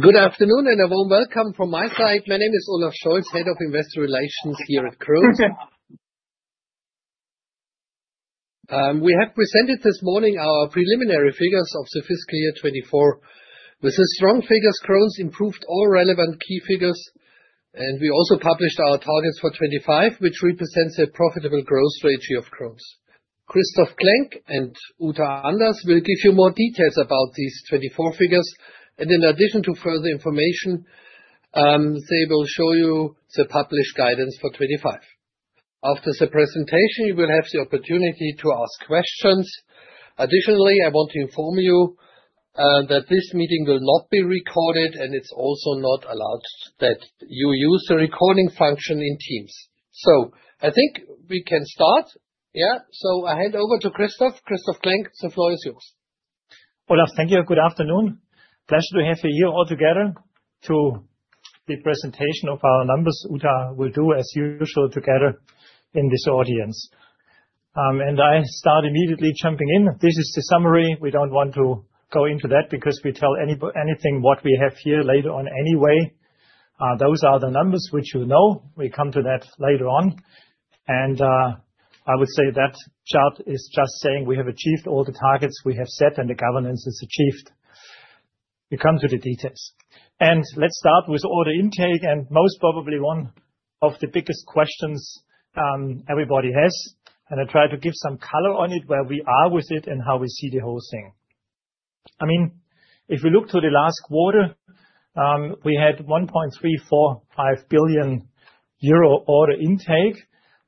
Good afternoon and a warm welcome from my side. My name is Olaf Scholz, Head of Investor Relations here at Krones. We have presented this morning our preliminary figures of the fiscal year 2024. With the strong figures, Krones improved all relevant key figures, and we also published our targets for 2025, which represents a profitable growth strategy of Krones. Christoph Klenk and Uta Anders will give you more details about these 2024 figures, and in addition to further information, they will show you the published guidance for 2025. After the presentation, you will have the opportunity to ask questions. Additionally, I want to inform you that this meeting will not be recorded, and it's also not allowed that you use the recording function in Teams. I think we can start. Yeah, I hand over to Christoph. Christoph Klenk, the floor is yours. Olaf, thank you. Good afternoon. Pleasure to have you here all together to the presentation of our numbers. Uta will do as usual together in this audience. And I start immediately jumping in. This is the summary. We don't want to go into that because we tell anything what we have here later on anyway. Those are the numbers which you know. We come to that later on. And I would say that chart is just saying we have achieved all the targets we have set, and the guidance is achieved. We come to the details. And let's start with order intake, and most probably one of the biggest questions everybody has. And I try to give some color on it, where we are with it and how we see the whole thing. I mean, if we look to the last quarter, we had 1.345 billion euro order intake,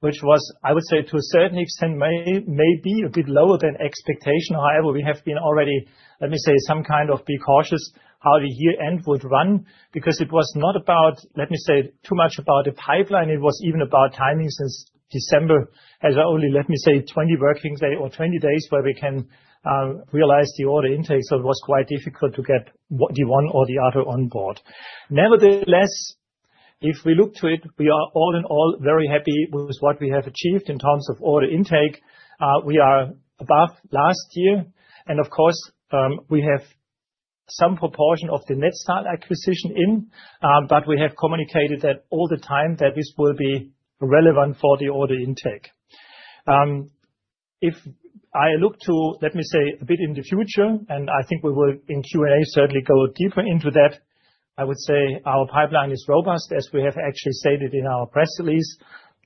which was, I would say, to a certain extent, maybe a bit lower than expectation. However, we have been already, let me say, some kind of be cautious how the year end would run because it was not about, let me say, too much about the pipeline. It was even about timing since December, as only, let me say, 20 working days or 20 days where we can realize the order intake. So, it was quite difficult to get the one or the other on board. Nevertheless, if we look to it, we are all in all very happy with what we have achieved in terms of order intake. We are above last year. Of course, we have some proportion of the Netstal acquisition in, but we have communicated that all the time that this will be relevant for the order intake. If I look to, let me say, a bit in the future, and I think we will in Q&A certainly go deeper into that, I would say our pipeline is robust, as we have actually stated in our press release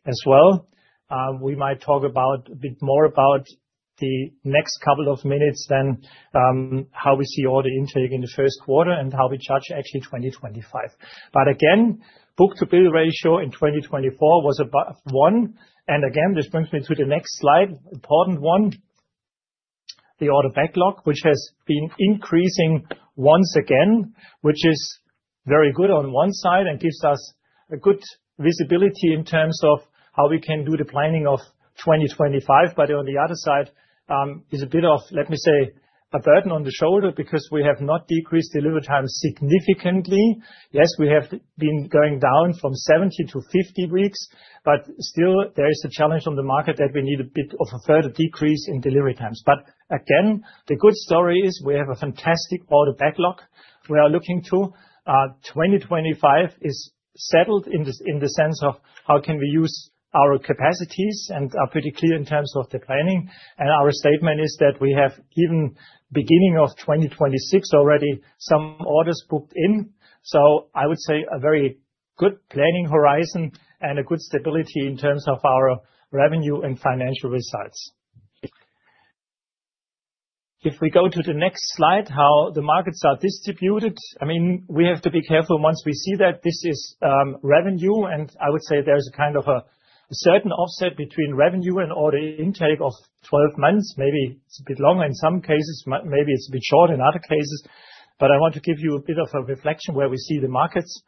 as well. We might talk a bit more about the next couple of minutes then how we see order intake in the first quarter and how we judge actually 2025. But again, book-to-bill ratio in 2024 was above one. Again, this brings me to the next slide, important one, the order backlog, which has been increasing once again, which is very good on one side and gives us a good visibility in terms of how we can do the planning of 2025. On the other side, it is a bit of, let me say, a burden on the shoulder because we have not decreased delivery times significantly. Yes, we have been going down from 70 to 50 weeks, but still there is a challenge on the market that we need a bit of a further decrease in delivery times. Again, the good story is we have a fantastic order backlog we are looking to. 2025 is settled in the sense of how can we use our capacities and are pretty clear in terms of the planning. Our statement is that we have even beginning of 2026 already some orders booked in. I would say a very good planning horizon and a good stability in terms of our revenue and financial results. If we go to the next slide, how the markets are distributed, I mean, we have to be careful once we see that this is revenue. I would say there's a kind of a certain offset between revenue and order intake of 12 months. Maybe it's a bit longer in some cases. Maybe it's a bit short in other cases. I want to give you a bit of a reflection where we see the markets.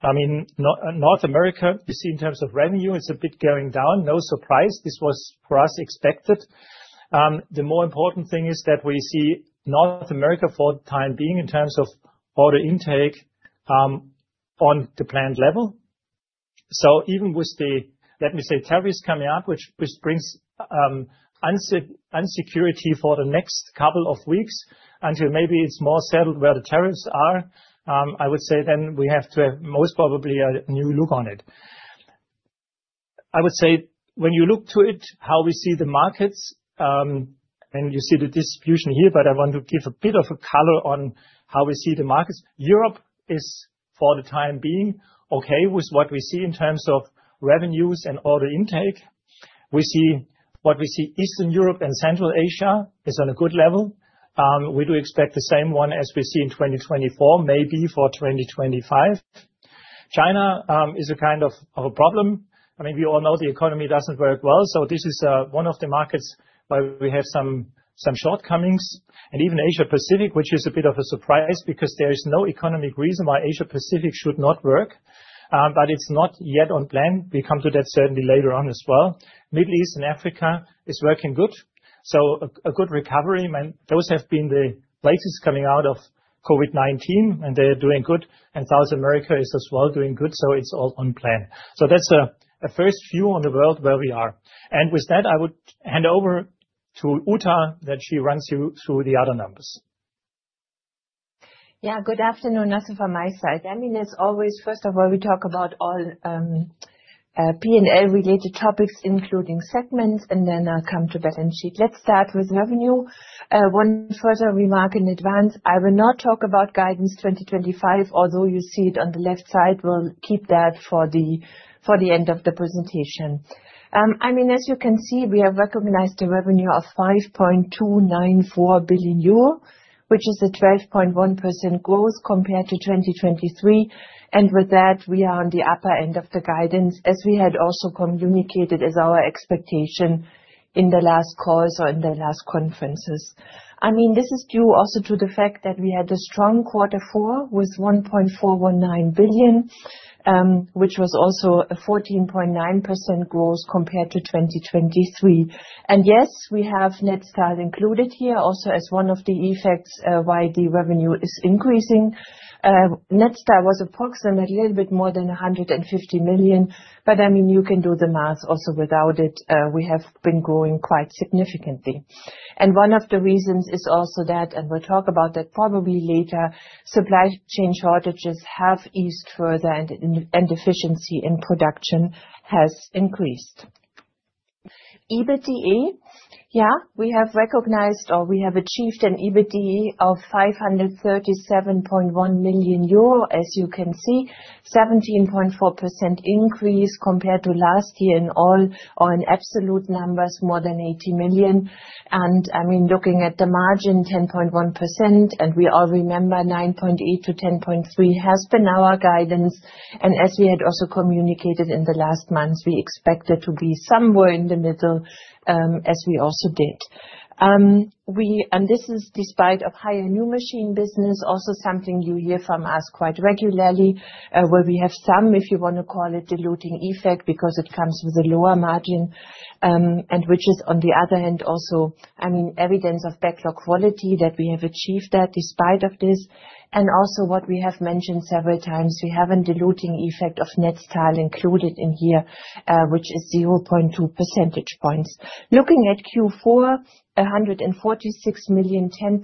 I mean, North America, you see in terms of revenue, it's a bit going down. No surprise. This was for us expected. The more important thing is that we see North America for the time being in terms of order intake on the planned level. So, even with the, let me say, tariffs coming up, which brings uncertainty for the next couple of weeks until maybe it's more settled where the tariffs are, I would say then we have to have most probably a new look on it. I would say when you look to it, how we see the markets, and you see the distribution here, but I want to give a bit of a color on how we see the markets. Europe is for the time being okay with what we see in terms of revenues and order intake. We see what we see. Eastern Europe and Central Asia is on a good level. We do expect the same one as we see in 2024, maybe for 2025. China is a kind of a problem. I mean, we all know the economy doesn't work well. So, this is one of the markets where we have some shortcomings, and even Asia-Pacific, which is a bit of a surprise because there is no economic reason why Asia-Pacific should not work, but it's not yet on plan. We come to that certainly later on as well. Middle East and Africa is working good. So, a good recovery. Those have been the places coming out of COVID-19, and they are doing good, and South America is as well doing good. So, it's all on plan. So, that's a first view on the world where we are, and with that, I would hand over to Uta that she runs you through the other numbers. Yeah, good afternoon. That's from my side. I mean, as always, first of all, we talk about all P&L-related topics, including segments, and then I'll come to balance sheet. Let's start with revenue. One further remark in advance. I will not talk about guidance 2025, although you see it on the left side. We'll keep that for the end of the presentation. I mean, as you can see, we have recognized the revenue of 5.294 billion euro, which is a 12.1% growth compared to 2023, and with that, we are on the upper end of the guidance, as we had also communicated as our expectation in the last calls or in the last conferences. I mean, this is due also to the fact that we had a strong quarter four with 1.419 billion, which was also a 14.9% growth compared to 2023. Yes, we have Netstal included here also as one of the factors why the revenue is increasing. Netstal was approximately a little bit more than 150 million, but I mean, you can do the math also without it. We have been growing quite significantly. One of the reasons is also that, and we'll talk about that probably later, supply chain shortages have eased further and efficiency in production has increased. EBITDA, yeah, we have recognized or we have achieved an EBITDA of 537.1 million euro, as you can see, 17.4% increase compared to last year in all or in absolute numbers more than 80 million. I mean, looking at the margin, 10.1%, and we all remember 9.8%-10.3% has been our guidance. As we had also communicated in the last months, we expected to be somewhere in the middle, as we also did. And this is despite of higher new machine business, also something you hear from us quite regularly, where we have some, if you want to call it, diluting effect because it comes with a lower margin, and which is on the other hand also, I mean, evidence of backlog quality that we have achieved that despite of this. And also what we have mentioned several times, we have a diluting effect of Netstal included in here, which is 0.2 percentage points. Looking at Q4, 146 million, 10.3%,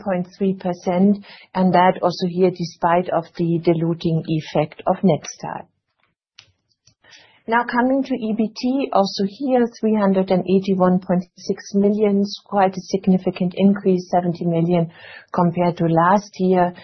and that also here despite of the diluting effect of Netstal. Now coming to EBITDA, also here, 381.6 million, quite a significant increase, 70 million compared to last year,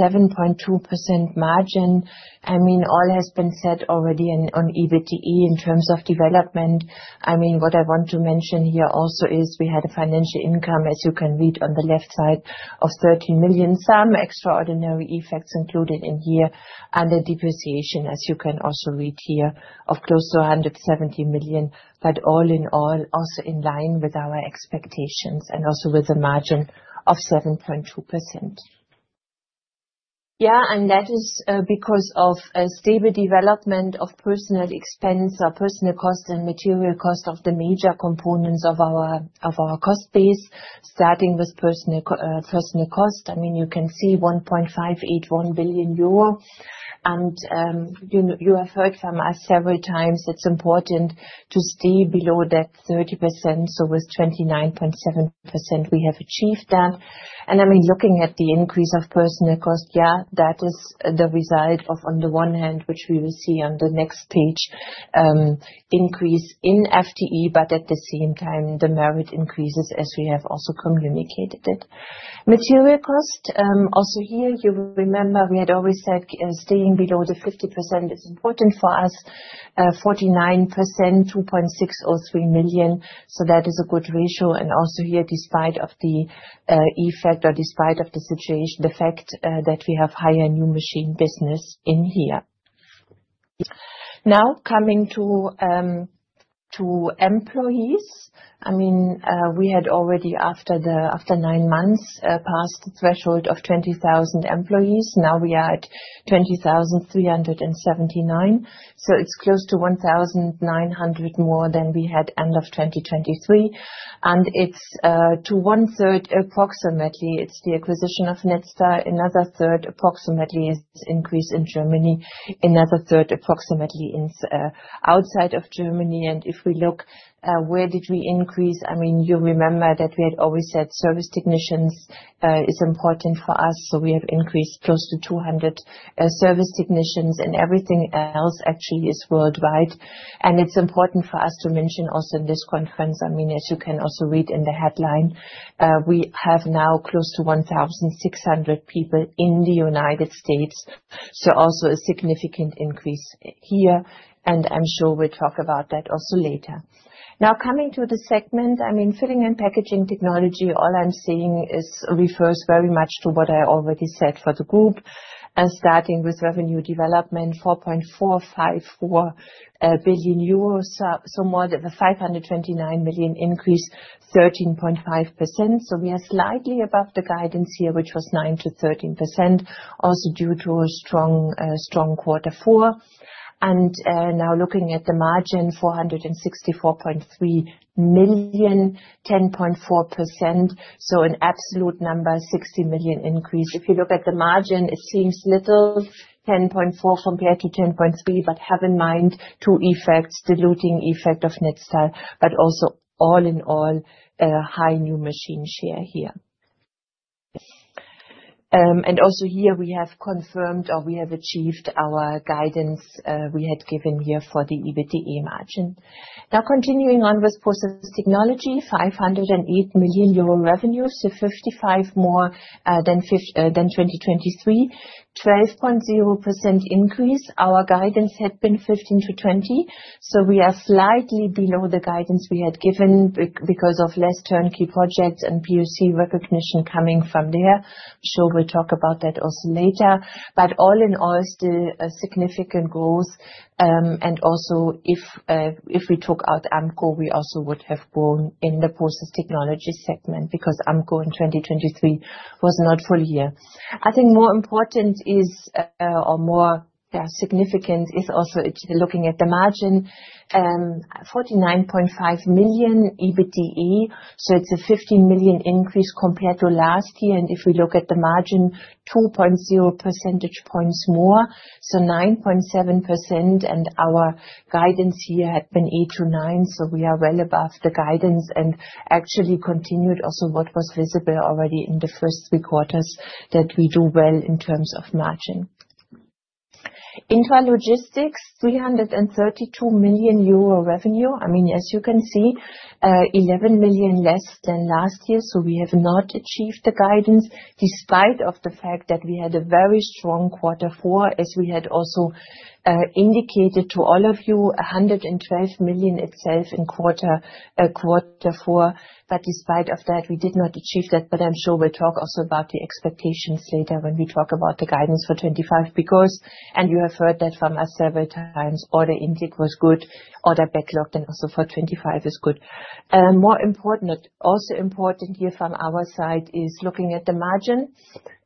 7.2% margin. I mean, all has been said already on EBITDA in terms of development. I mean, what I want to mention here also is we had a financial income, as you can read on the left side, of 13 million. Some extraordinary effects included in here under depreciation, as you can also read here, of close to 170 million, but all in all also in line with our expectations and also with a margin of 7.2%. Yeah, and that is because of a stable development of personnel expense or personnel cost and material cost of the major components of our cost base, starting with personnel cost. I mean, you can see 1.581 billion euro, and you have heard from us several times it's important to stay below that 30%. So, with 29.7%, we have achieved that. I mean, looking at the increase of personnel cost, yeah, that is the result of, on the one hand, which we will see on the next page, increase in FTE, but at the same time, the merit increases as we have also communicated it. Material cost, also here, you will remember we had always said staying below the 50% is important for us, 49%, 2.603 million. So, that is a good ratio. Also here, despite the effect or despite the situation, the fact that we have higher new machine business in here. Now coming to employees, I mean, we had already after nine months passed the threshold of 20,000 employees. Now we are at 20,379. So, it's close to 1,900 more than we had at the end of 2023. And it's to one third approximately, it's the acquisition of Netstal. Another third approximately is increase in Germany. Another third approximately is outside of Germany, and if we look where did we increase, I mean, you remember that we had always said service technicians is important for us, so we have increased close to 200 service technicians, and everything else actually is worldwide. And it's important for us to mention also in this conference, I mean, as you can also read in the headline, we have now close to 1,600 people in the United States, so also a significant increase here, and I'm sure we'll talk about that also later. Now coming to the segment, I mean, filling and packaging technology, all I'm saying refers very much to what I already said for the group, starting with revenue development, 4.454 billion euros, so more than 529 million increase, 13.5%. We are slightly above the guidance here, which was 9%-13%, also due to a strong quarter four. Now looking at the margin, 464.3 million, 10.4%. So, an absolute number, 60 million increase. If you look at the margin, it seems little, 10.4% compared to 10.3%, but have in mind two effects, diluting effect of Netstal, but also all in all high new machine share here. Also here we have confirmed or we have achieved our guidance we had given here for the EBITDA margin. Now continuing on with process technology, 508 million euro revenue, so 55 more than 2023, 12.0% increase. Our guidance had been 15%-20%. We are slightly below the guidance we had given because of less turnkey projects and POC recognition coming from there. I'm sure we'll talk about that also later. But all in all, still a significant growth. And also if we took out Ampco, we also would have grown in the process technology segment because Ampco in 2023 was not full year. I think more important is or more significant is also looking at the margin, 49.5 million EBITDA. So, it's a 15 million increase compared to last year. And if we look at the margin, 2.0 percentage points more. So, 9.7%. And our guidance here had been 8%-9%. So, we are well above the guidance and actually continued also what was visible already in the first three quarters that we do well in terms of margin. Into our logistics, 332 million euro revenue. I mean, as you can see, 11 million less than last year. We have not achieved the guidance despite the fact that we had a very strong quarter four, as we had also indicated to all of you, 112 million itself in quarter four. But despite that, we did not achieve that. I'm sure we'll talk also about the expectations later when we talk about the guidance for 25 because, and you have heard that from us several times, order intake was good, order backlog, and also for 25 is good. More important, also important here from our side is looking at the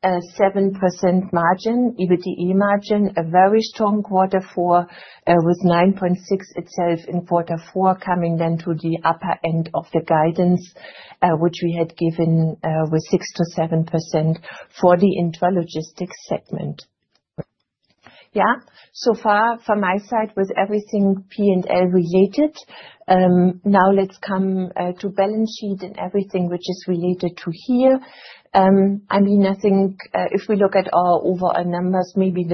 margin, 7% margin, EBITDA margin, a very strong quarter four with 9.6% itself in quarter four, coming then to the upper end of the guidance, which we had given with 6%-7% for the intralogistics segment. Yeah, so far from my side with everything P&L related. Now let's come to balance sheet and everything which is related to here. I mean, I think if we look at our overall numbers, maybe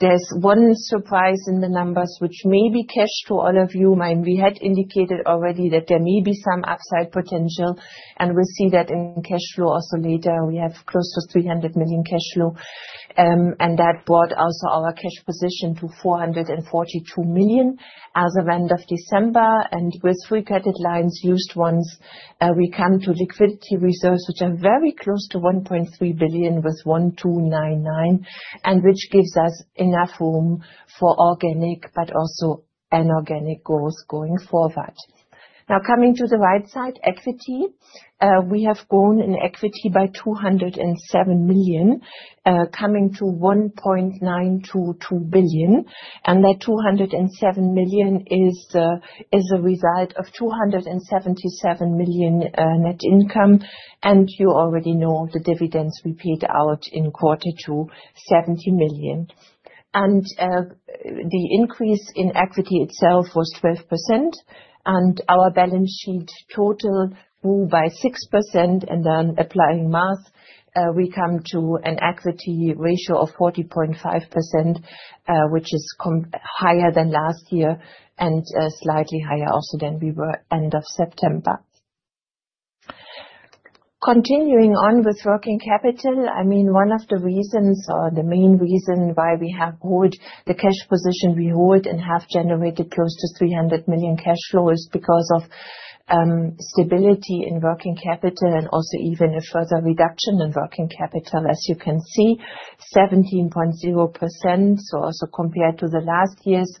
there's one surprise in the numbers which may be new to all of you. I mean, we had indicated already that there may be some upside potential, and we'll see that in cash flow also later. We have close to 300 million cash flow, and that brought also our cash position to 442 million as of end of December. With three credit lines unused, we come to liquidity reserves, which are very close to 1.3 billion with 1.299 million, and which gives us enough room for organic but also inorganic growth going forward. Now coming to the right side, equity, we have grown in equity by 207 million, coming to 1.922 billion. That 207 million is a result of 277 million net income. And you already know the dividends we paid out in quarter two, 70 million. And the increase in equity itself was 12%. And our balance sheet total grew by 6%. And then applying math, we come to an equity ratio of 40.5%, which is higher than last year and slightly higher also than we were end of September. Continuing on with working capital, I mean, one of the reasons or the main reason why we have held the cash position we hold and have generated close to 300 million cash flow is because of stability in working capital and also even a further reduction in working capital, as you can see, 17.0%. So, also compared to the last year's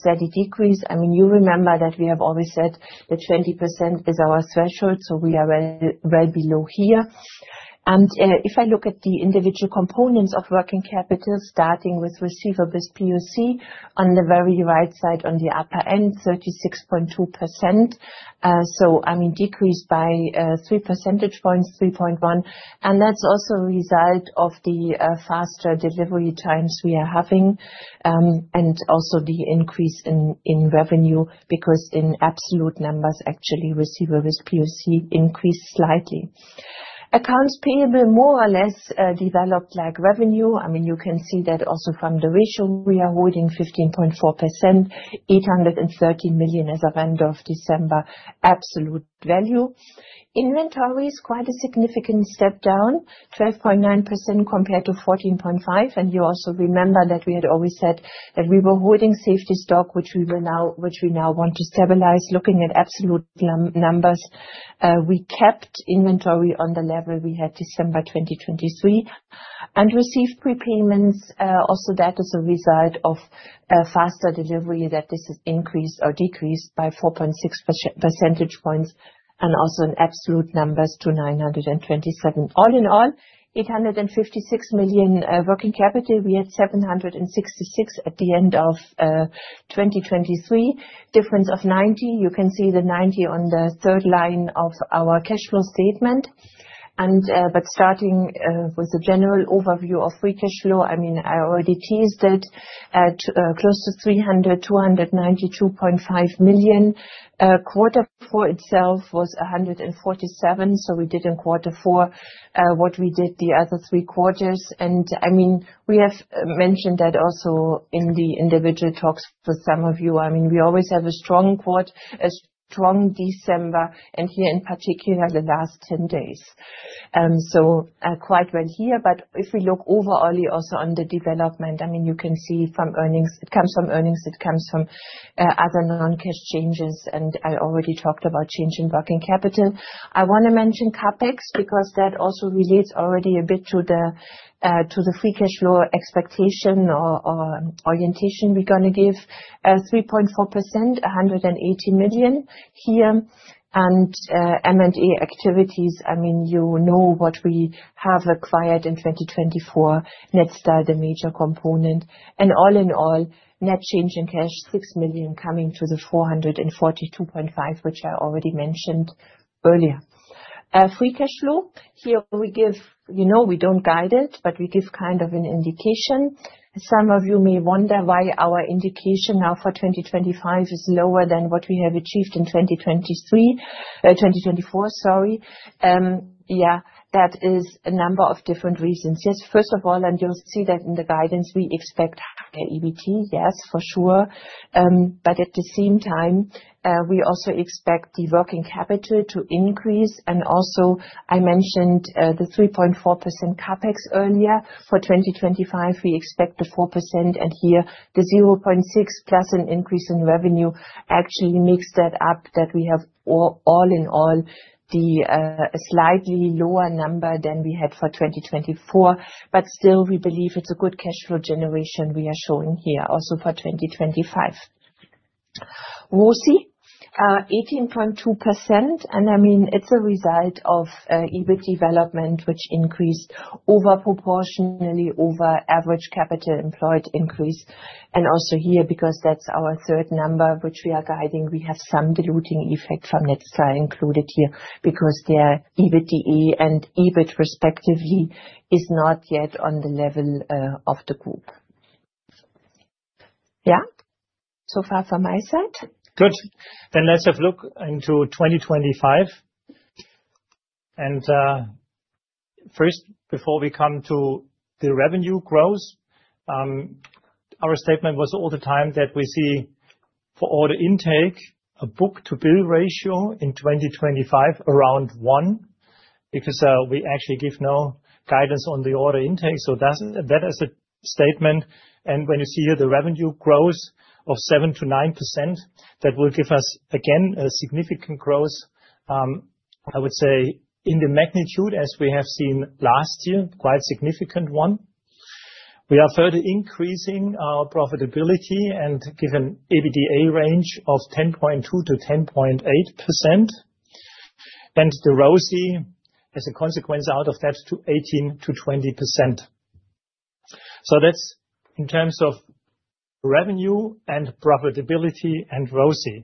steady decrease. I mean, you remember that we have always said that 20% is our threshold. So, we are well below here. If I look at the individual components of working capital, starting with receivables POC on the very right side on the upper end, 36.2%. I mean, decreased by three percentage points, 3.1. That's also a result of the faster delivery times we are having and also the increase in revenue because in absolute numbers, actually receivables POC increased slightly. Accounts payable more or less developed like revenue. I mean, you can see that also from the ratio. We are holding 15.4%, 813 million as of end of December, absolute value. Inventory is quite a significant step down, 12.9% compared to 14.5%. You also remember that we had always said that we were holding safety stock, which we now want to stabilize. Looking at absolute numbers, we kept inventory on the level we had December 2023 and received prepayments. Also, that is a result of faster delivery that this has increased or decreased by 4.6 percentage points and also in absolute numbers to 927. All in all, 856 million working capital. We had 766 million at the end of 2023, difference of 90 million. You can see the 90 on the third line of our cash flow statement. But starting with a general overview of free cash flow, I mean, I already teased it at close to 300, 292.5 million. Quarter four itself was 147 million. We did in quarter four what we did the other three quarters. I mean, we have mentioned that also in the individual talks for some of you. I mean, we always have a strong quarter, a strong December, and here in particular the last 10 days. Quite well here. But if we look overall also on the development, I mean, you can see from earnings, it comes from earnings, it comes from other non-cash changes. And I already talked about changing working capital. I want to mention CapEx because that also relates already a bit to the free cash flow expectation or orientation we're going to give, 3.4%, 180 million here. And M&A activities, I mean, you know what we have acquired in 2024, Netstal, the major component. And all in all, net change in cash, 6 million coming to the 442.5 million, which I already mentioned earlier. Free cash flow here, we give, you know, we don't guide it, but we give kind of an indication. Some of you may wonder why our indication now for 2025 is lower than what we have achieved in 2023, 2024, sorry. Yeah, that is a number of different reasons. Yes, first of all, and you'll see that in the guidance, we expect higher EBT, yes, for sure. But at the same time, we also expect the working capital to increase. And also, I mentioned the 3.4% CapEx earlier. For 2025, we expect the 4%. And here, the 0.6 plus an increase in revenue actually makes that up that we have all in all the slightly lower number than we had for 2024. But still, we believe it's a good cash flow generation we are showing here also for 2025. ROCE, 18.2%. And I mean, it's a result of EBITDA development, which increased overproportionally over average capital employed increase. And also here, because that's our third number, which we are guiding, we have some diluting effect from Netstal included here because their EBITDA and EBITDA respectively is not yet on the level of the group. Yeah, so far from my side. Good. Then let's have a look into 2025. First, before we come to the revenue growth, our statement was all the time that we see for order intake a book-to-bill ratio in 2025 around one because we actually give no guidance on the order intake. So that is a statement. When you see here the revenue growth of 7-9%, that will give us again a significant growth, I would say, in the magnitude as we have seen last year, quite significant one. We are further increasing our profitability and given EBITDA range of 10.2-10.8%. The ROCE as a consequence out of that to 18-20%. That's in terms of revenue and profitability and ROCE.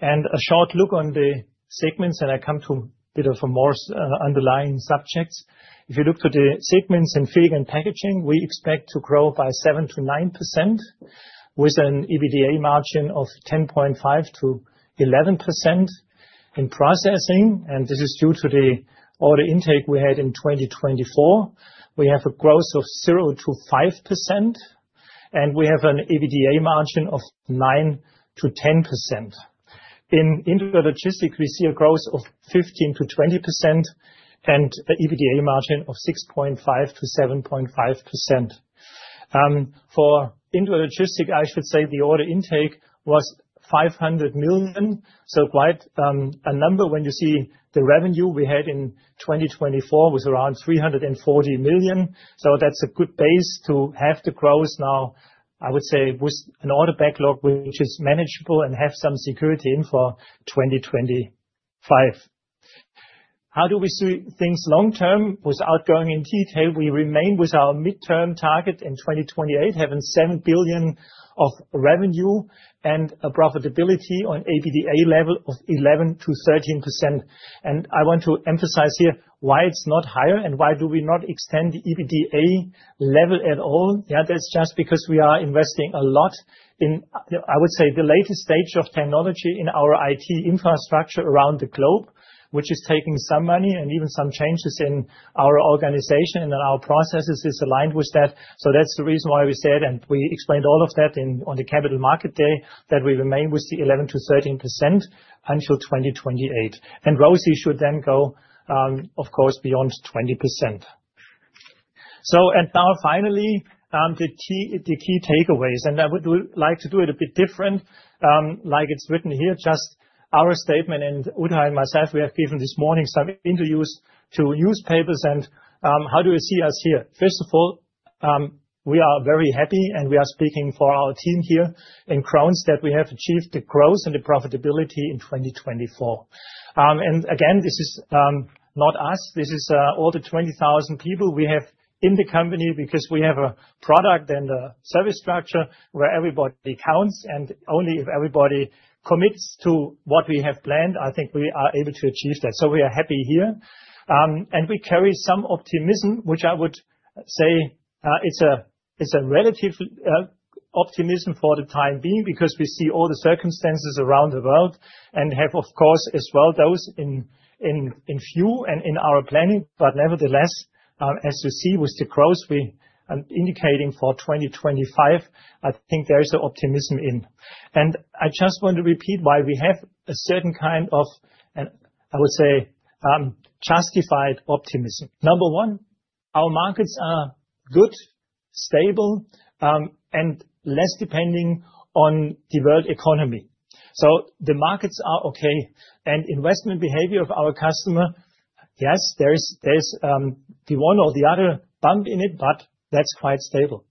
A short look on the segments, and I come to a bit of a more underlying subjects. If you look to the segments in filling and packaging, we expect to grow by 7%-9% with an EBITDA margin of 10.5%-11% in processing, and this is due to the order intake we had in 2024. We have a growth of 0%-5%, and we have an EBITDA margin of 9%-10%. In intralogistics, we see a growth of 15%-20% and an EBITDA margin of 6.5%-7.5%. For intralogistics, I should say the order intake was 500 million. So quite a number when you see the revenue we had in 2024 was around 340 million. So that's a good base to have the growth now, I would say, with an order backlog, which is manageable and have some security in for 2025. How do we see things long term? Without going into detail, we remain with our midterm target in 2028, having 7 billion of revenue and a profitability on EBITDA level of 11%-13%. And I want to emphasize here why it's not higher and why do we not extend the EBITDA level at all. Yeah, that's just because we are investing a lot in, I would say, the latest stage of technology in our IT infrastructure around the globe, which is taking some money and even some changes in our organization and our processes is aligned with that. So that's the reason why we said, and we explained all of that on the capital market day that we remain with the 11%-13% until 2028. And ROCE should then go, of course, beyond 20%. So, and now finally, the key takeaways, and I would like to do it a bit different, like it's written here, just our statement and Uta and myself. We have given this morning some interviews to newspapers, and how do you see us here? First of all, we are very happy, and we are speaking for our team here in Krones that we have achieved the growth and the profitability in 2024, and again, this is not us. This is all the 20,000 people we have in the company because we have a product and a service structure where everybody counts. And only if everybody commits to what we have planned, I think we are able to achieve that, so we are happy here. And we carry some optimism, which I would say it's a relative optimism for the time being because we see all the circumstances around the world and have, of course, as well those in view and in our planning. But nevertheless, as you see with the growth we are indicating for 2025, I think there is an optimism in. And I just want to repeat why we have a certain kind of, and I would say, justified optimism. Number one, our markets are good, stable, and less depending on the world economy. So the markets are okay. And investment behavior of our customer, yes, there's the one or the other bump in it, but that's quite stable.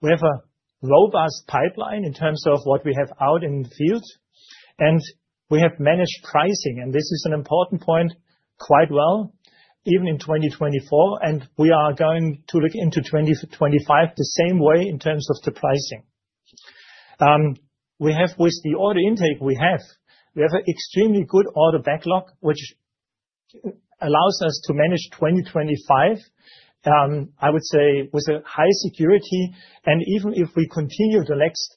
We have a robust pipeline in terms of what we have out in the field. And we have managed pricing, and this is an important point, quite well, even in 2024. We are going to look into 2025 the same way in terms of the pricing. With the order intake, we have an extremely good order backlog, which allows us to manage 2025, I would say, with a high security. Even if we continue the next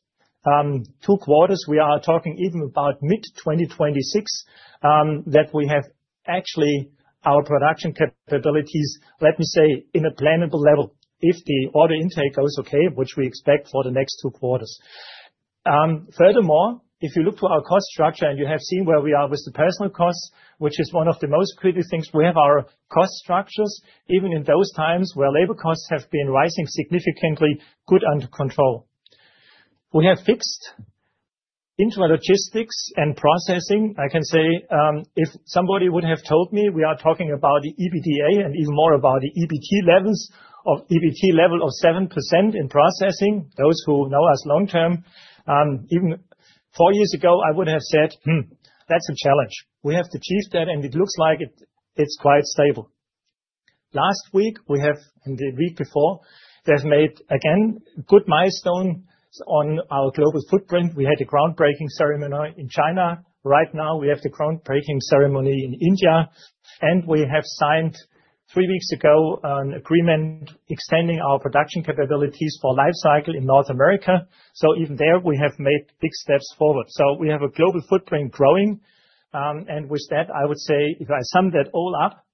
two quarters, we are talking even about mid-2026 that we have actually our production capabilities, let me say, in a plannable level if the order intake goes okay, which we expect for the next two quarters. Furthermore, if you look to our cost structure and you have seen where we are with the personnel costs, which is one of the most critical things, we have our cost structures even in those times where labor costs have been rising significantly, well under control. We have a focus on our logistics and processing. I can say if somebody would have told me we are talking about the EBITDA and even more about the EBITDA levels of EBITDA level of 7% in processing, those who know us long term, even four years ago, I would have said, that's a challenge. We have achieved that, and it looks like it's quite stable. Last week we have, and the week before, they have made again a good milestone on our global footprint. We had a groundbreaking ceremony in China. Right now, we have the groundbreaking ceremony in India, and we have signed three weeks ago an agreement extending our production capabilities for life cycle in North America, so even there, we have made big steps forward, so we have a global footprint growing. And with that, I would say, if I sum that all up,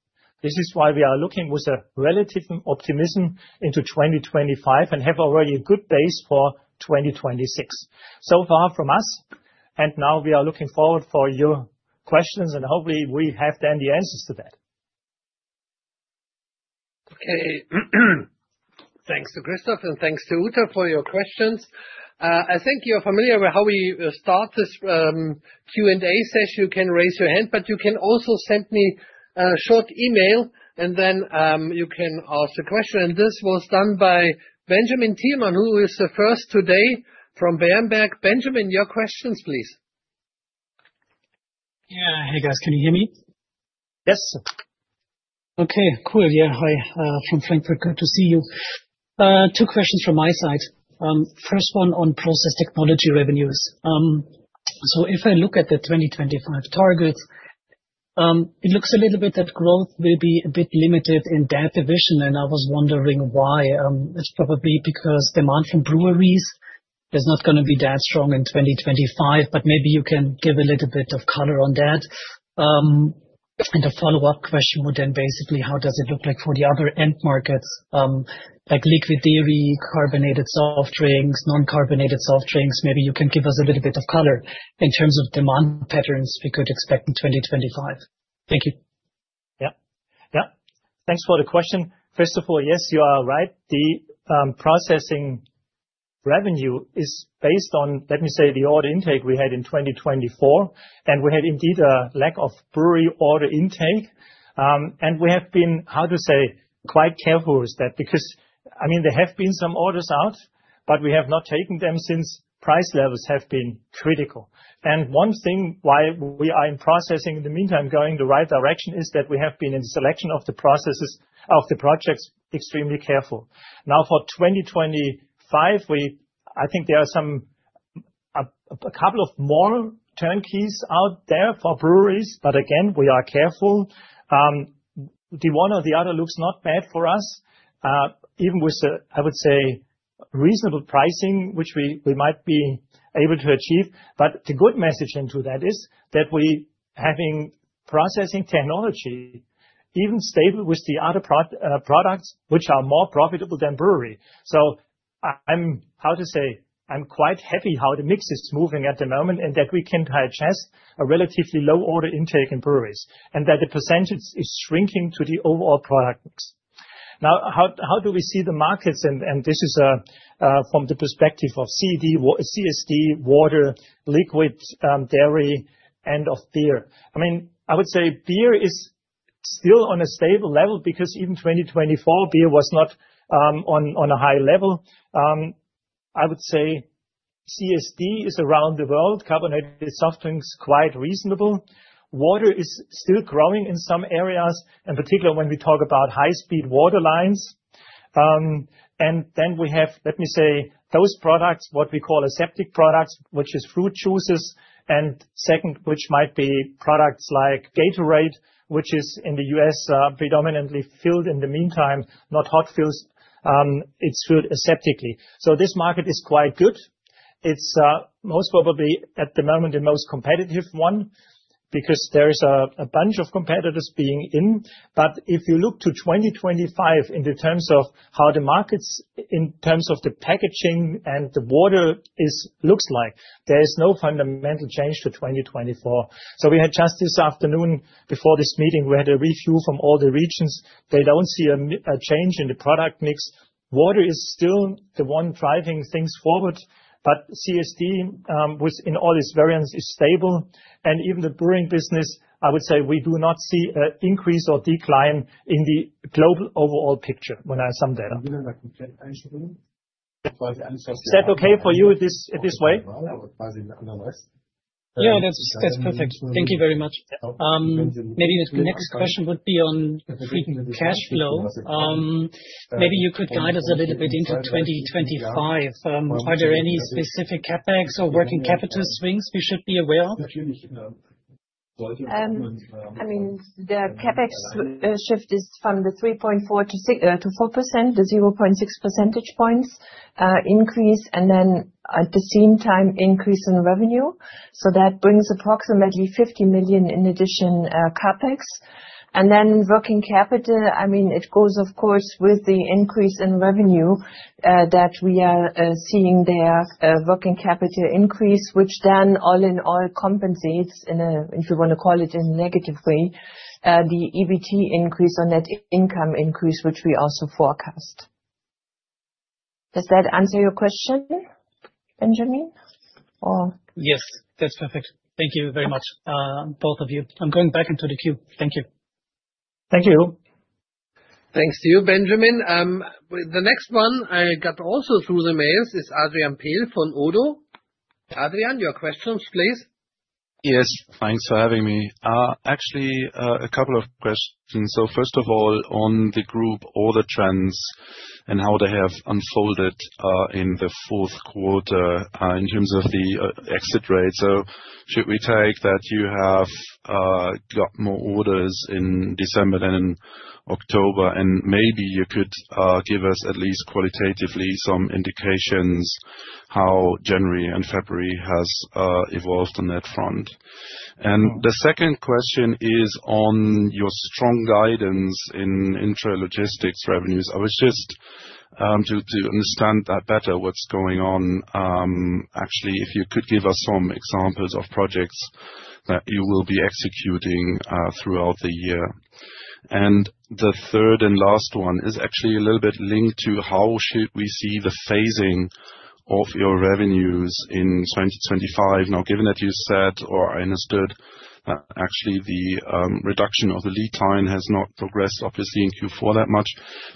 this is why we are looking with a relative optimism into 2025 and have already a good base for 2026. So far from us. And now we are looking forward for your questions, and hopefully we have then the answers to that. Okay. Thanks to Christoph and thanks to Uta for your questions. I think you're familiar with how we start this Q&A session. You can raise your hand, but you can also send me a short email, and then you can ask the question. And this was done by Benjamin Thielmann, who is the first today from Berenberg. Benjamin, your questions, please. Yeah. Hey, guys, can you hear me? Yes. Okay. Cool. Yeah. Hi from Frankfurt, good to see you. Two questions from my side. First one on process technology revenues. So if I look at the 2025 targets, it looks a little bit that growth will be a bit limited in that division. And I was wondering why. It's probably because demand from breweries is not going to be that strong in 2025, but maybe you can give a little bit of color on that. And the follow-up question would then basically be how does it look like for the other end markets, like liquid dairy, carbonated soft drinks, non-carbonated soft drinks? Maybe you can give us a little bit of color in terms of demand patterns we could expect in 2025. Thank you. Yeah. Yeah. Thanks for the question. First of all, yes, you are right. The processing revenue is based on, let me say, the order intake we had in 2024. And we had indeed a lack of brewery order intake. We have been, how to say, quite careful with that because, I mean, there have been some orders out, but we have not taken them since price levels have been critical. One thing why we are in processing in the meantime going the right direction is that we have been in the selection of the processes of the projects extremely careful. Now, for 2025, I think there are a couple of more turnkeys out there for breweries, but again, we are careful. The one or the other looks not bad for us, even with, I would say, reasonable pricing, which we might be able to achieve. The good message into that is that we are having processing technology even stable with the other products, which are more profitable than brewery. I'm quite happy how the mix is moving at the moment and that we can adjust a relatively low order intake in breweries and that the percentage is shrinking to the overall product mix. Now, how do we see the markets? This is from the perspective of CSD, water, liquid dairy, and beer. I mean, I would say beer is still on a stable level because even 2024, beer was not on a high level. I would say CSD is around the world, carbonated soft drinks, quite reasonable. Water is still growing in some areas, in particular when we talk about high-speed water lines. Then we have, let me say, those products, what we call aseptic products, which is fruit juices, and second, which might be products like Gatorade, which is in the U.S. predominantly filled in the meantime, not hot fills. It's filled aseptically. So this market is quite good. It's most probably at the moment the most competitive one because there is a bunch of competitors being in. But if you look to 2025 in the terms of how the markets in terms of the packaging and the water looks like, there is no fundamental change to 2024. So we had just this afternoon before this meeting, we had a review from all the regions. They don't see a change in the product mix. Water is still the one driving things forward, but CSD within all its variants is stable. And even the brewing business, I would say we do not see an increase or decline in the global overall picture when I sum that up. Is that okay for you this way? Yeah, that's perfect. Thank you very much. Maybe the next question would be on cash flow. Maybe you could guide us a little bit into 2025. Are there any specific CapEx or working capital swings we should be aware of? I mean, the CapEx shift is from the 3.4%-4%, the 0.6 percentage points increase, and then at the same time, increase in revenue. So that brings approximately 50 million in additional CapEx. And then working capital, I mean, it goes, of course, with the increase in revenue that we are seeing there, working capital increase, which then all in all compensates, if you want to call it in a negative way, the EBT increase on that income increase, which we also forecast. Does that answer your question, Benjamin? Yes, that's perfect. Thank you very much, both of you. I'm going back into the queue. Thank you. Thank you. Thanks to you, Benjamin. The next one I got also through the mails is Adrian Pehl from ODDO BHF. Adrian, your questions, please. Yes, thanks for having me. Actually, a couple of questions. So first of all, on the group order trends and how they have unfolded in the fourth quarter in terms of the exit rate. So should we take that you have got more orders in December than in October? And maybe you could give us at least qualitatively some indications how January and February has evolved on that front? And the second question is on your strong guidance in intralogistics revenues. I was just to understand that better, what's going on, actually, if you could give us some examples of projects that you will be executing throughout the year? And the third and last one is actually a little bit linked to how should we see the phasing of your revenues in 2025. Now, given that you said or I understood, actually, the reduction of the lead time has not progressed, obviously, in Q4 that much.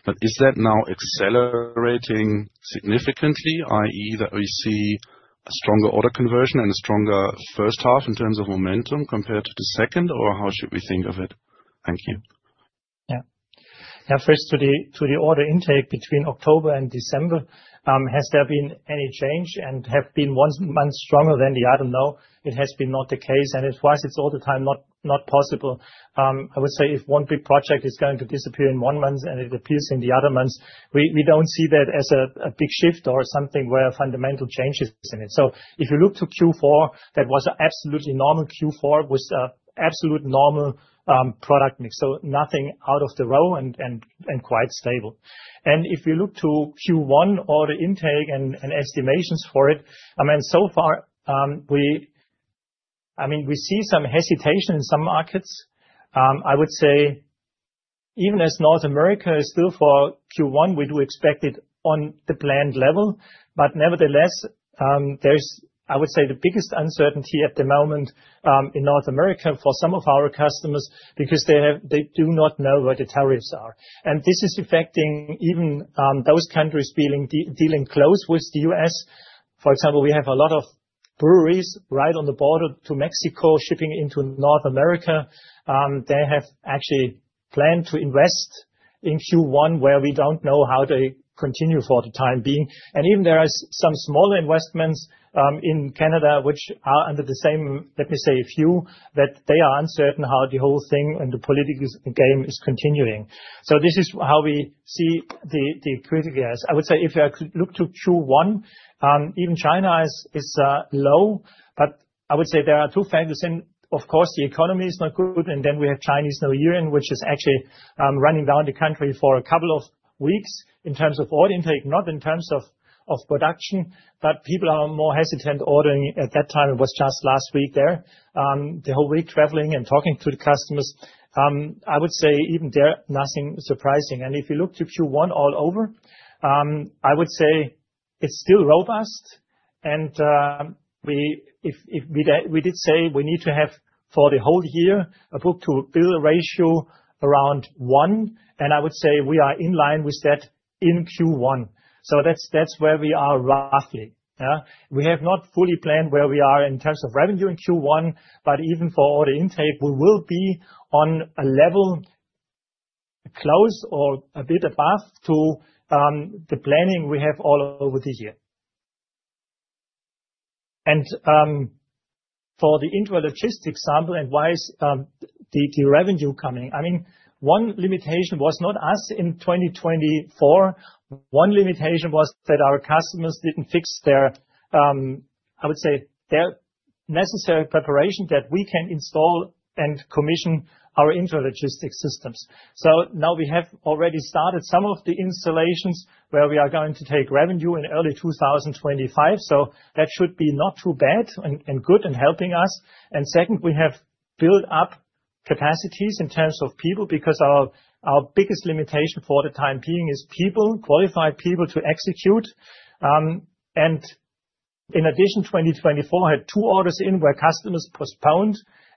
But is that now accelerating significantly, i.e., that we see a stronger order conversion and a stronger first half in terms of momentum compared to the second, or how should we think of it? Thank you. Yeah. Yeah. First, to the order intake between October and December, has there been any change and has one month been stronger than the other? No, it has been not the case. And it was, it's all the time not possible. I would say if one big project is going to disappear in one month and it appears in the other months, we don't see that as a big shift or something where fundamental change is in it, so if you look to Q4, that was an absolutely normal Q4 with absolute normal product mix, so nothing out of the ordinary and quite stable, and if we look to Q1, order intake and estimations for it, I mean, so far, I mean, we see some hesitation in some markets. I would say even as North America is still for Q1, we do expect it on the planned level, but nevertheless, there's, I would say, the biggest uncertainty at the moment in North America for some of our customers because they do not know where the tariffs are, and this is affecting even those countries dealing close with the U.S. For example, we have a lot of breweries right on the border to Mexico shipping into North America. They have actually planned to invest in Q1, where we don't know how they continue for the time being. And even there are some smaller investments in Canada, which are under the same, let me say, view that they are uncertain how the whole thing and the political game is continuing. So this is how we see the critical areas. I would say if you look to Q1, even China is low, but I would say there are two factors. And of course, the economy is not good. And then we have Chinese New Year, which is actually running down the country for a couple of weeks in terms of order intake, not in terms of production, but people are more hesitant ordering at that time. It was just last week there, the whole week traveling and talking to the customers. I would say even there, nothing surprising, and if you look to Q1 all over, I would say it's still robust. And if we did say we need to have for the whole year a book-to-bill ratio around one, and I would say we are in line with that in Q1. So that's where we are roughly. We have not fully planned where we are in terms of revenue in Q1, but even for order intake, we will be on a level close or a bit above to the planning we have all over the year. And for the intralogistics segment and why is the revenue coming? I mean, one limitation was not us in 2024. One limitation was that our customers didn't fix their, I would say, their necessary preparation that we can install and commission our intralogistics systems, so now we have already started some of the installations where we are going to take revenue in early 2025, so that should be not too bad and good and helping us, and second, we have built up capacities in terms of people because our biggest limitation for the time being is people, qualified people to execute, and in addition, 2024 had two orders in where customers postponed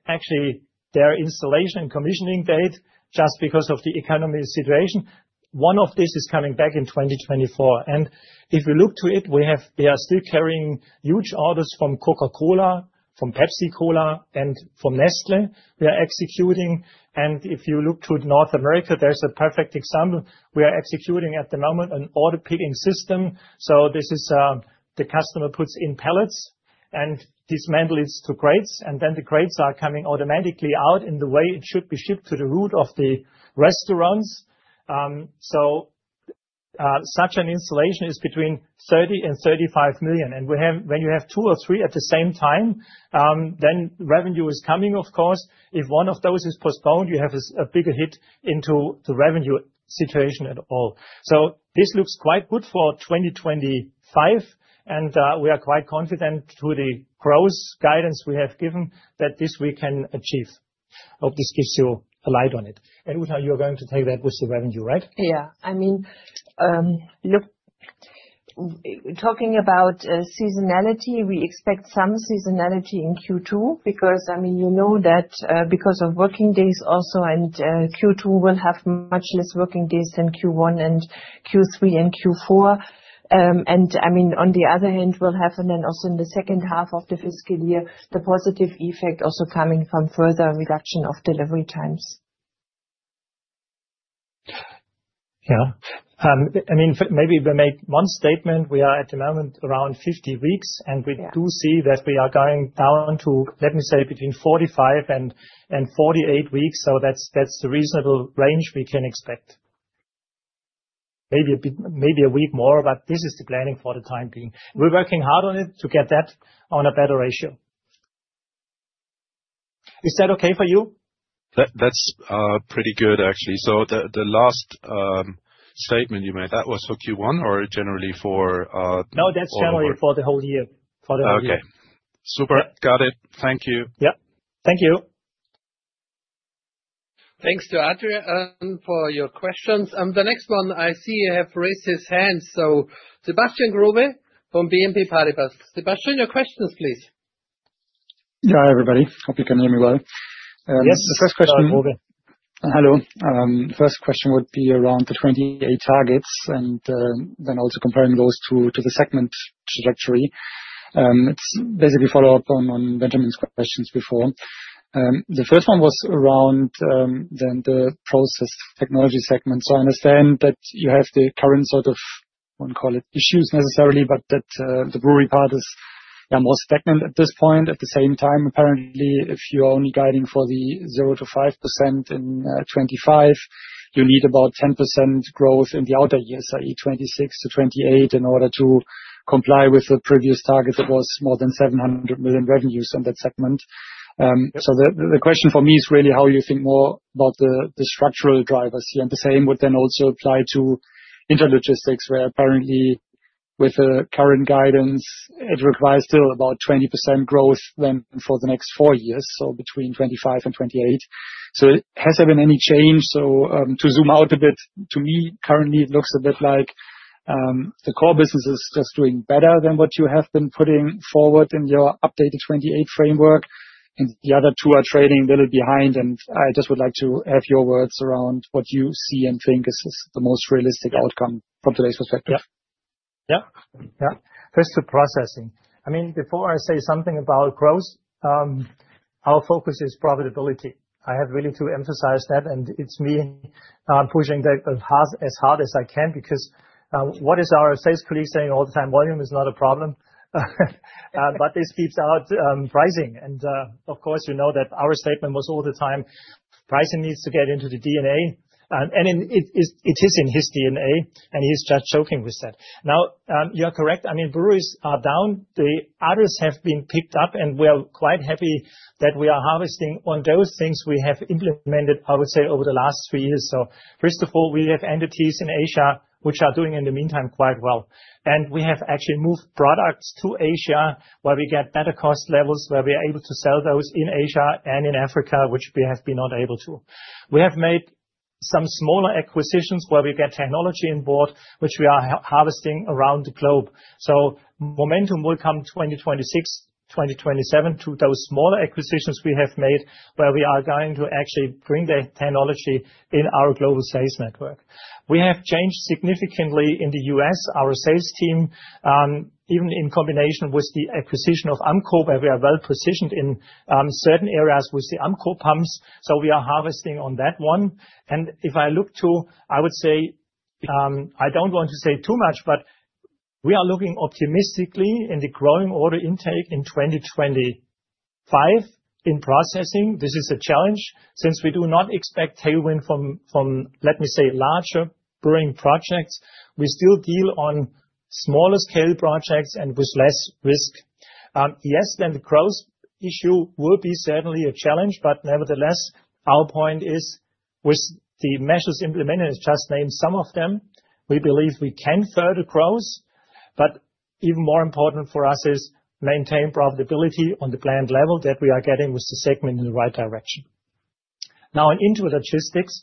actually their installation and commissioning date just because of the economic situation. One of these is coming back in 2024, and if we look to it, we are still carrying huge orders from Coca-Cola, from Pepsi Cola, and from Nestlé we are executing, and if you look to North America, there's a perfect example. We are executing at the moment an order picking system, so this is the customer puts in pallets and dismantles it to crates, and then the crates are coming automatically out in the way it should be shipped to the route of the restaurants, so such an installation is between 30 million and 35 million, and when you have two or three at the same time, then revenue is coming, of course. If one of those is postponed, you have a bigger hit into the revenue situation at all, so this looks quite good for 2025, and we are quite confident through the growth guidance we have given that this we can achieve. I hope this gives you a light on it, and Uta, you're going to take that with the revenue, right? Yeah. I mean, look, talking about seasonality, we expect some seasonality in Q2 because, I mean, you know that because of working days also, and Q2 will have much less working days than Q1 and Q3 and Q4, and I mean, on the other hand, we'll have then also in the second half of the fiscal year, the positive effect also coming from further reduction of delivery times. Yeah. I mean, maybe we make one statement. We are at the moment around 50 weeks, and we do see that we are going down to, let me say, between 45 and 48 weeks. So that's the reasonable range we can expect. Maybe a week more, but this is the planning for the time being. We're working hard on it to get that on a better ratio. Is that okay for you? That's pretty good, actually. So the last statement you made, that was for Q1 or generally for? No, that's generally for the whole year. For the whole year. Okay. Super. Got it. Thank you. Yep. Thank you. Thanks to Adrian for your questions. The next one, I see you have raised his hand. So Sebastian Growe from BNP Paribas. Sebastian, your questions, please. Yeah, everybody. Hope you can hear me well. Yes. Start moving. Hello. First question would be around the 28 targets and then also comparing those to the segment trajectory. It's basically follow-up on Benjamin's questions before. The first one was around then the process technology segment. So I understand that you have the current sort of, I wouldn't call it issues necessarily, but that the brewery part is more stagnant at this point. At the same time, apparently, if you're only guiding for the 0%-5% in 2025, you need about 10% growth in the outer years, i.e., 2026-2028 in order to comply with the previous target that was more than 700 million revenues on that segment. So the question for me is really how you think more about the structural drivers here. And the same would then also apply to intralogistics, where apparently with the current guidance, it requires still about 20% growth then for the next four years, so between 2025 and 2028. So has there been any change? So to zoom out a bit, to me, currently, it looks a bit like the core business is just doing better than what you have been putting forward in your updated 2028 framework, and the other two are trading a little behind. I just would like to have your words around what you see and think is the most realistic outcome from today's perspective. Yeah. Yeah. Yeah. First, to processing. I mean, before I say something about growth, our focus is profitability. I have really to emphasize that, and it's me pushing that as hard as I can because what is our sales colleague saying all the time? Volume is not a problem, but this speaks out pricing. And of course, you know that our statement was all the time, pricing needs to get into the DNA, and it is in his DNA, and he is just joking with that. Now, you're correct. I mean, breweries are down. The others have been picked up, and we are quite happy that we are harvesting on those things we have implemented, I would say, over the last three years. So first of all, we have entities in Asia which are doing in the meantime quite well. And we have actually moved products to Asia where we get better cost levels, where we are able to sell those in Asia and in Africa, which we have been not able to. We have made some smaller acquisitions where we get technology on board, which we are harvesting around the globe. So momentum will come 2026, 2027 to those smaller acquisitions we have made where we are going to actually bring the technology in our global sales network. We have changed significantly in the U.S., our sales team, even in combination with the acquisition of Ampco, where we are well positioned in certain areas with the Ampco pumps. So we are harvesting on that one. If I look to, I would say I don't want to say too much, but we are looking optimistically in the growing order intake in 2025 in processing. This is a challenge since we do not expect tailwind from, let me say, larger brewing projects. We still deal on smaller scale projects and with less risk. Yes, then the growth issue will be certainly a challenge, but nevertheless, our point is with the measures implemented, I just named some of them, we believe we can further growth. But even more important for us is maintain profitability on the planned level that we are getting with the segment in the right direction. Now, in Intralogistics,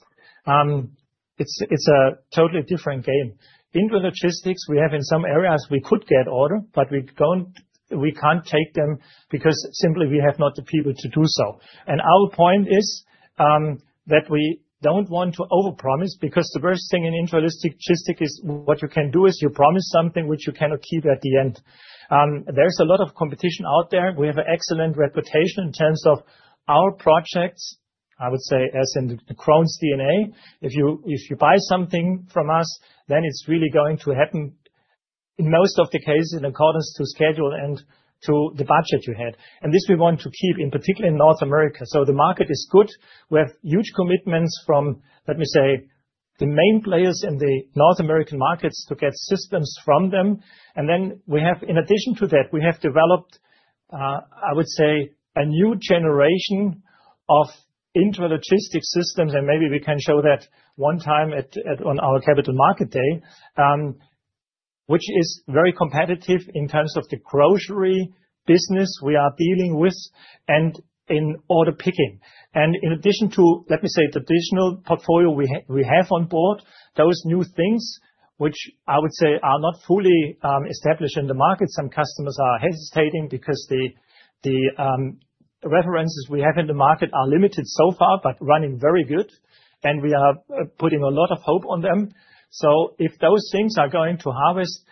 it's a totally different game. Intralogistics, we have in some areas we could get order, but we can't take them because simply we have not the people to do so. Our point is that we don't want to overpromise because the worst thing in intralogistics is what you can do is you promise something which you cannot keep at the end. There's a lot of competition out there. We have an excellent reputation in terms of our projects, I would say, as in the Krones DNA. If you buy something from us, then it's really going to happen in most of the cases in accordance to schedule and to the budget you had. This we want to keep, in particular in North America. The market is good. We have huge commitments from, let me say, the main players in the North American markets to get systems from them. And then we have, in addition to that, we have developed, I would say, a new generation of intralogistics systems, and maybe we can show that one time on our capital market day, which is very competitive in terms of the grocery business we are dealing with and in order picking. And in addition to, let me say, the additional portfolio we have on board, those new things, which I would say are not fully established in the market, some customers are hesitating because the references we have in the market are limited so far, but running very good, and we are putting a lot of hope on them. So if those things are going to harvest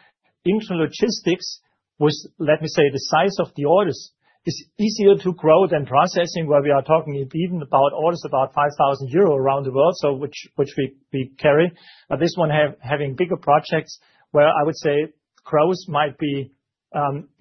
intralogistics with, let me say, the size of the orders, it is easier to grow than processing where we are talking even about orders about 5,000 euro around the world, which we carry. But this one having bigger projects where I would say growth might be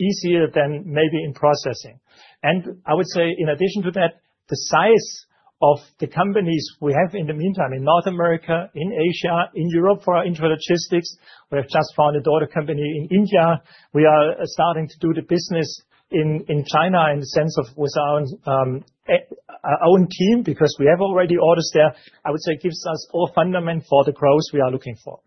easier than maybe in processing. And I would say in addition to that, the size of the companies we have in the meantime in North America, in Asia, in Europe for intralogistics. We have just founded a daughter company in India. We are starting to do the business in China in the sense of with our own team because we have already orders there. I would say it gives us all fundament for the growth we are looking for.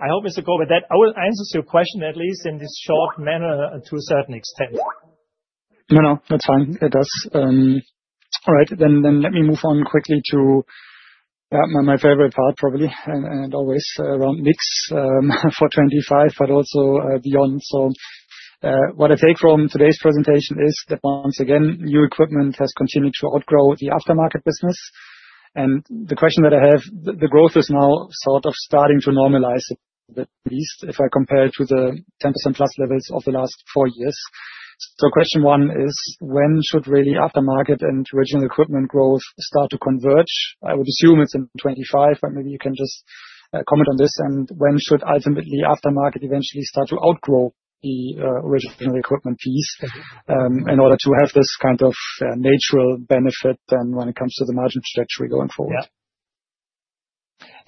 I hope it's a go with that. I will answer your question at least in this short manner to a certain extent. No, no, that's fine. It does. All right, then let me move on quickly to my favorite part probably and always around next for 2025, but also beyond. So, what I take from today's presentation is that once again, new equipment has continued to outgrow the aftermarket business. And the question that I have, the growth is now sort of starting to normalize at least if I compare to the 10% plus levels of the last four years. So, question one is, when should really aftermarket and original equipment growth start to converge? I would assume it's in 2025, but maybe you can just comment on this. And when should ultimately aftermarket eventually start to outgrow the original equipment piece in order to have this kind of natural benefit then when it comes to the margin trajectory going forward?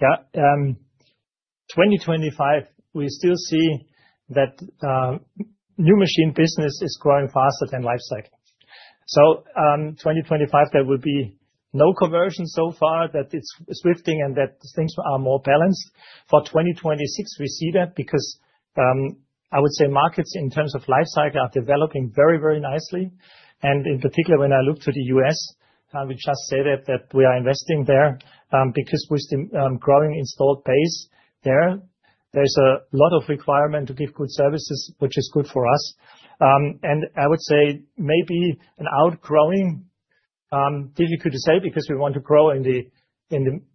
Yeah. Yeah. 2025, we still see that new machine business is growing faster than lifecycle. So, 2025, there will be no convergence so far that it's shifting and that things are more balanced. For 2026, we see that because I would say markets in terms of lifecycle are developing very, very nicely, and in particular, when I look to the U.S., we just say that we are investing there because with the growing installed base there, there's a lot of requirement to give good services, which is good for us. And I would say maybe an outgrowing, difficult to say because we want to grow in the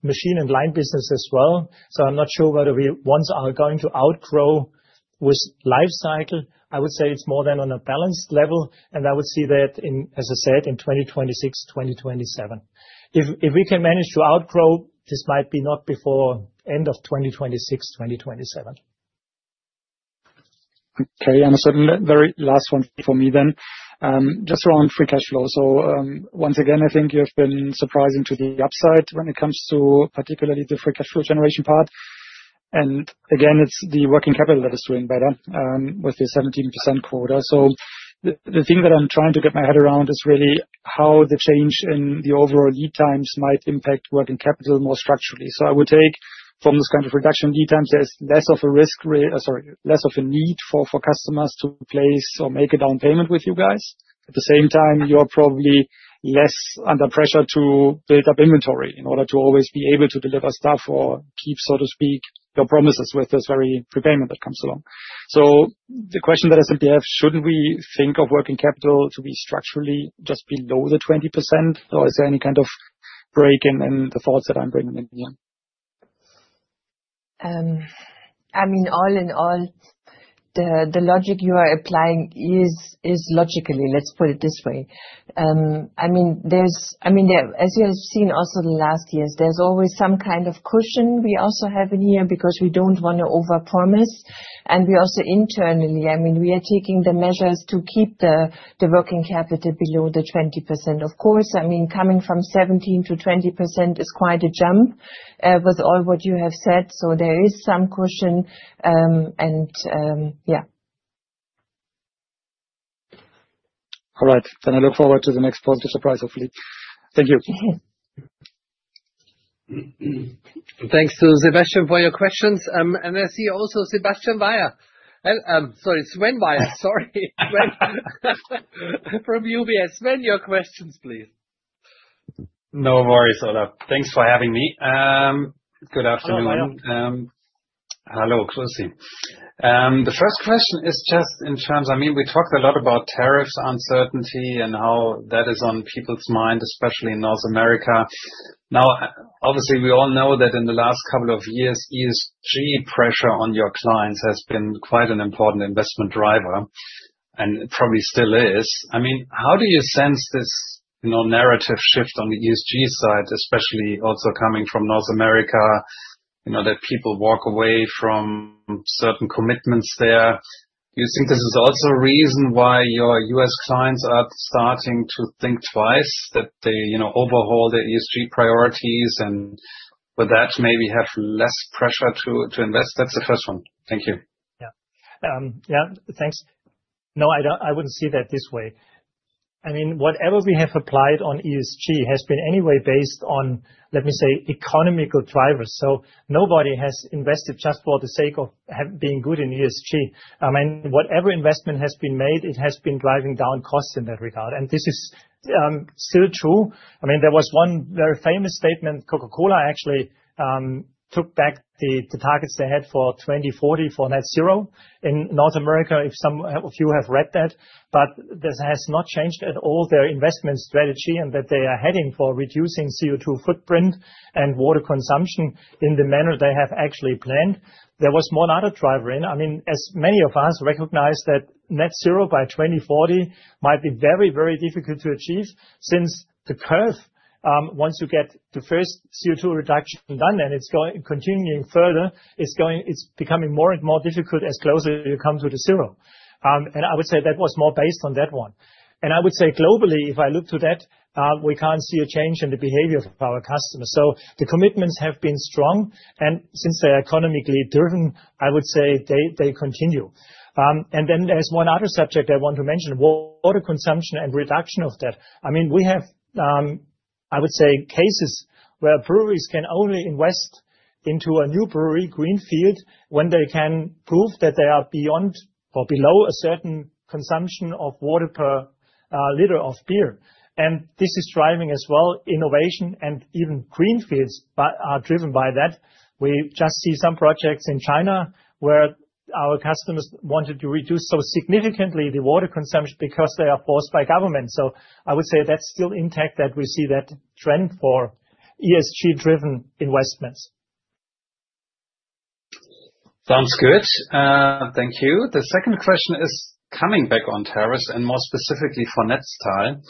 machine and line business as well. So I'm not sure whether we once are going to outgrow with lifecycle. I would say it's more than on a balanced level, and I would see that, as I said, in 2026, 2027. If we can manage to outgrow, this might be not before end of 2026, 2027. Okay, and a very last one for me then, just around free cash flow. Once again, I think you have been surprising to the upside when it comes to particularly the free cash flow generation part. Again, it's the working capital that is doing better with the 17% quarter. The thing that I'm trying to get my head around is really how the change in the overall lead times might impact working capital more structurally. I would take from this kind of reduction lead times, there's less of a risk, sorry, less of a need for customers to place or make a down payment with you guys. At the same time, you're probably less under pressure to build up inventory in order to always be able to deliver stuff or keep, so to speak, your promises with this very prepayment that comes along. So the question that I simply have, shouldn't we think of working capital to be structurally just below the 20%? Or is there any kind of break in the thoughts that I'm bringing in here? I mean, all in all, the logic you are applying is logically, let's put it this way. I mean, as you have seen also the last years, there's always some kind of cushion we also have in here because we don't want to overpromise. And we also internally, I mean, we are taking the measures to keep the working capital below the 20%. Of course, I mean, coming from 17% to 20% is quite a jump with all what you have said. So there is some cushion and yeah. All right. Then I look forward to the next positive surprise, hopefully. Thank you. Thanks to Sebastian for your questions. And I see also Sven Weier. Sorry, Sven Weier. Sorry. Sven from UBS. Sven, your questions, please. No worries, Olaf. Thanks for having me. Good afternoon. Hello, Klosi. The first question is just in terms, I mean, we talked a lot about tariffs, uncertainty, and how that is on people's mind, especially in North America. Now, obviously, we all know that in the last couple of years, ESG pressure on your clients has been quite an important investment driver and probably still is. I mean, how do you sense this narrative shift on the ESG side, especially also coming from North America, that people walk away from certain commitments there? Do you think this is also a reason why your U.S. clients are starting to think twice, that they overhaul their ESG priorities and with that maybe have less pressure to invest? That's the first one. Thank you. Yeah. Yeah. Thanks. No, I wouldn't see that this way. I mean, whatever we have applied on ESG has been anyway based on, let me say, economical drivers. So nobody has invested just for the sake of being good in ESG. I mean, whatever investment has been made, it has been driving down costs in that regard. And this is still true. I mean, there was one very famous statement. Coca-Cola actually took back the targets they had for 2040 for net zero in North America. If some of you have read that, but this has not changed at all their investment strategy and that they are heading for reducing CO2 footprint and water consumption in the manner they have actually planned. There was one other driver in. I mean, as many of us recognize that net zero by 2040 might be very, very difficult to achieve since the curve, once you get the first CO2 reduction done and it's continuing further, it's becoming more and more difficult as closer you come to the zero. And I would say that was more based on that one. And I would say globally, if I look to that, we can't see a change in the behavior of our customers. So the commitments have been strong. And since they are economically driven, I would say they continue. And then there's one other subject I want to mention, water consumption and reduction of that. I mean, we have, I would say, cases where breweries can only invest into a new brewery greenfield when they can prove that they are beyond or below a certain consumption of water per liter of beer. This is driving as well innovation and even greenfields are driven by that. We just see some projects in China where our customers wanted to reduce so significantly the water consumption because they are forced by government. I would say that's still intact that we see that trend for ESG-driven investments. Sounds good. Thank you. The second question is coming back on tariffs and more specifically for Netstal.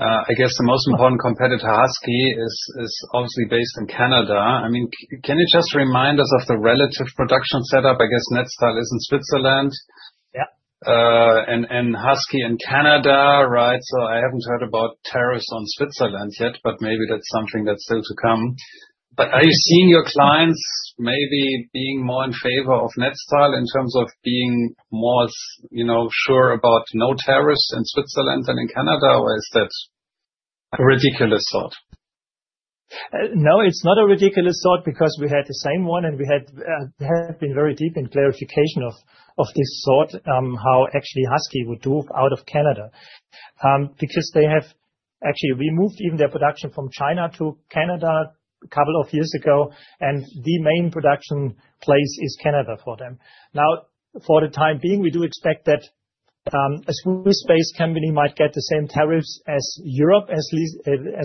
I guess the most important competitor, Husky, is obviously based in Canada. I mean, can you just remind us of the relative production setup? I guess Netstal is in Switzerland and Husky in Canada, right? I haven't heard about tariffs on Switzerland yet, but maybe that's something that's still to come. Are you seeing your clients maybe being more in favor of Netstal in terms of being more sure about no tariffs in Switzerland than in Canada? Or is that a ridiculous thought? No, it's not a ridiculous thought because we had the same one and we had been very deep in clarification of this thought, how actually Husky would do out of Canada. Because they have actually removed even their production from China to Canada a couple of years ago, and the main production place is Canada for them. Now, for the time being, we do expect that a Swiss-based company might get the same tariffs as Europe as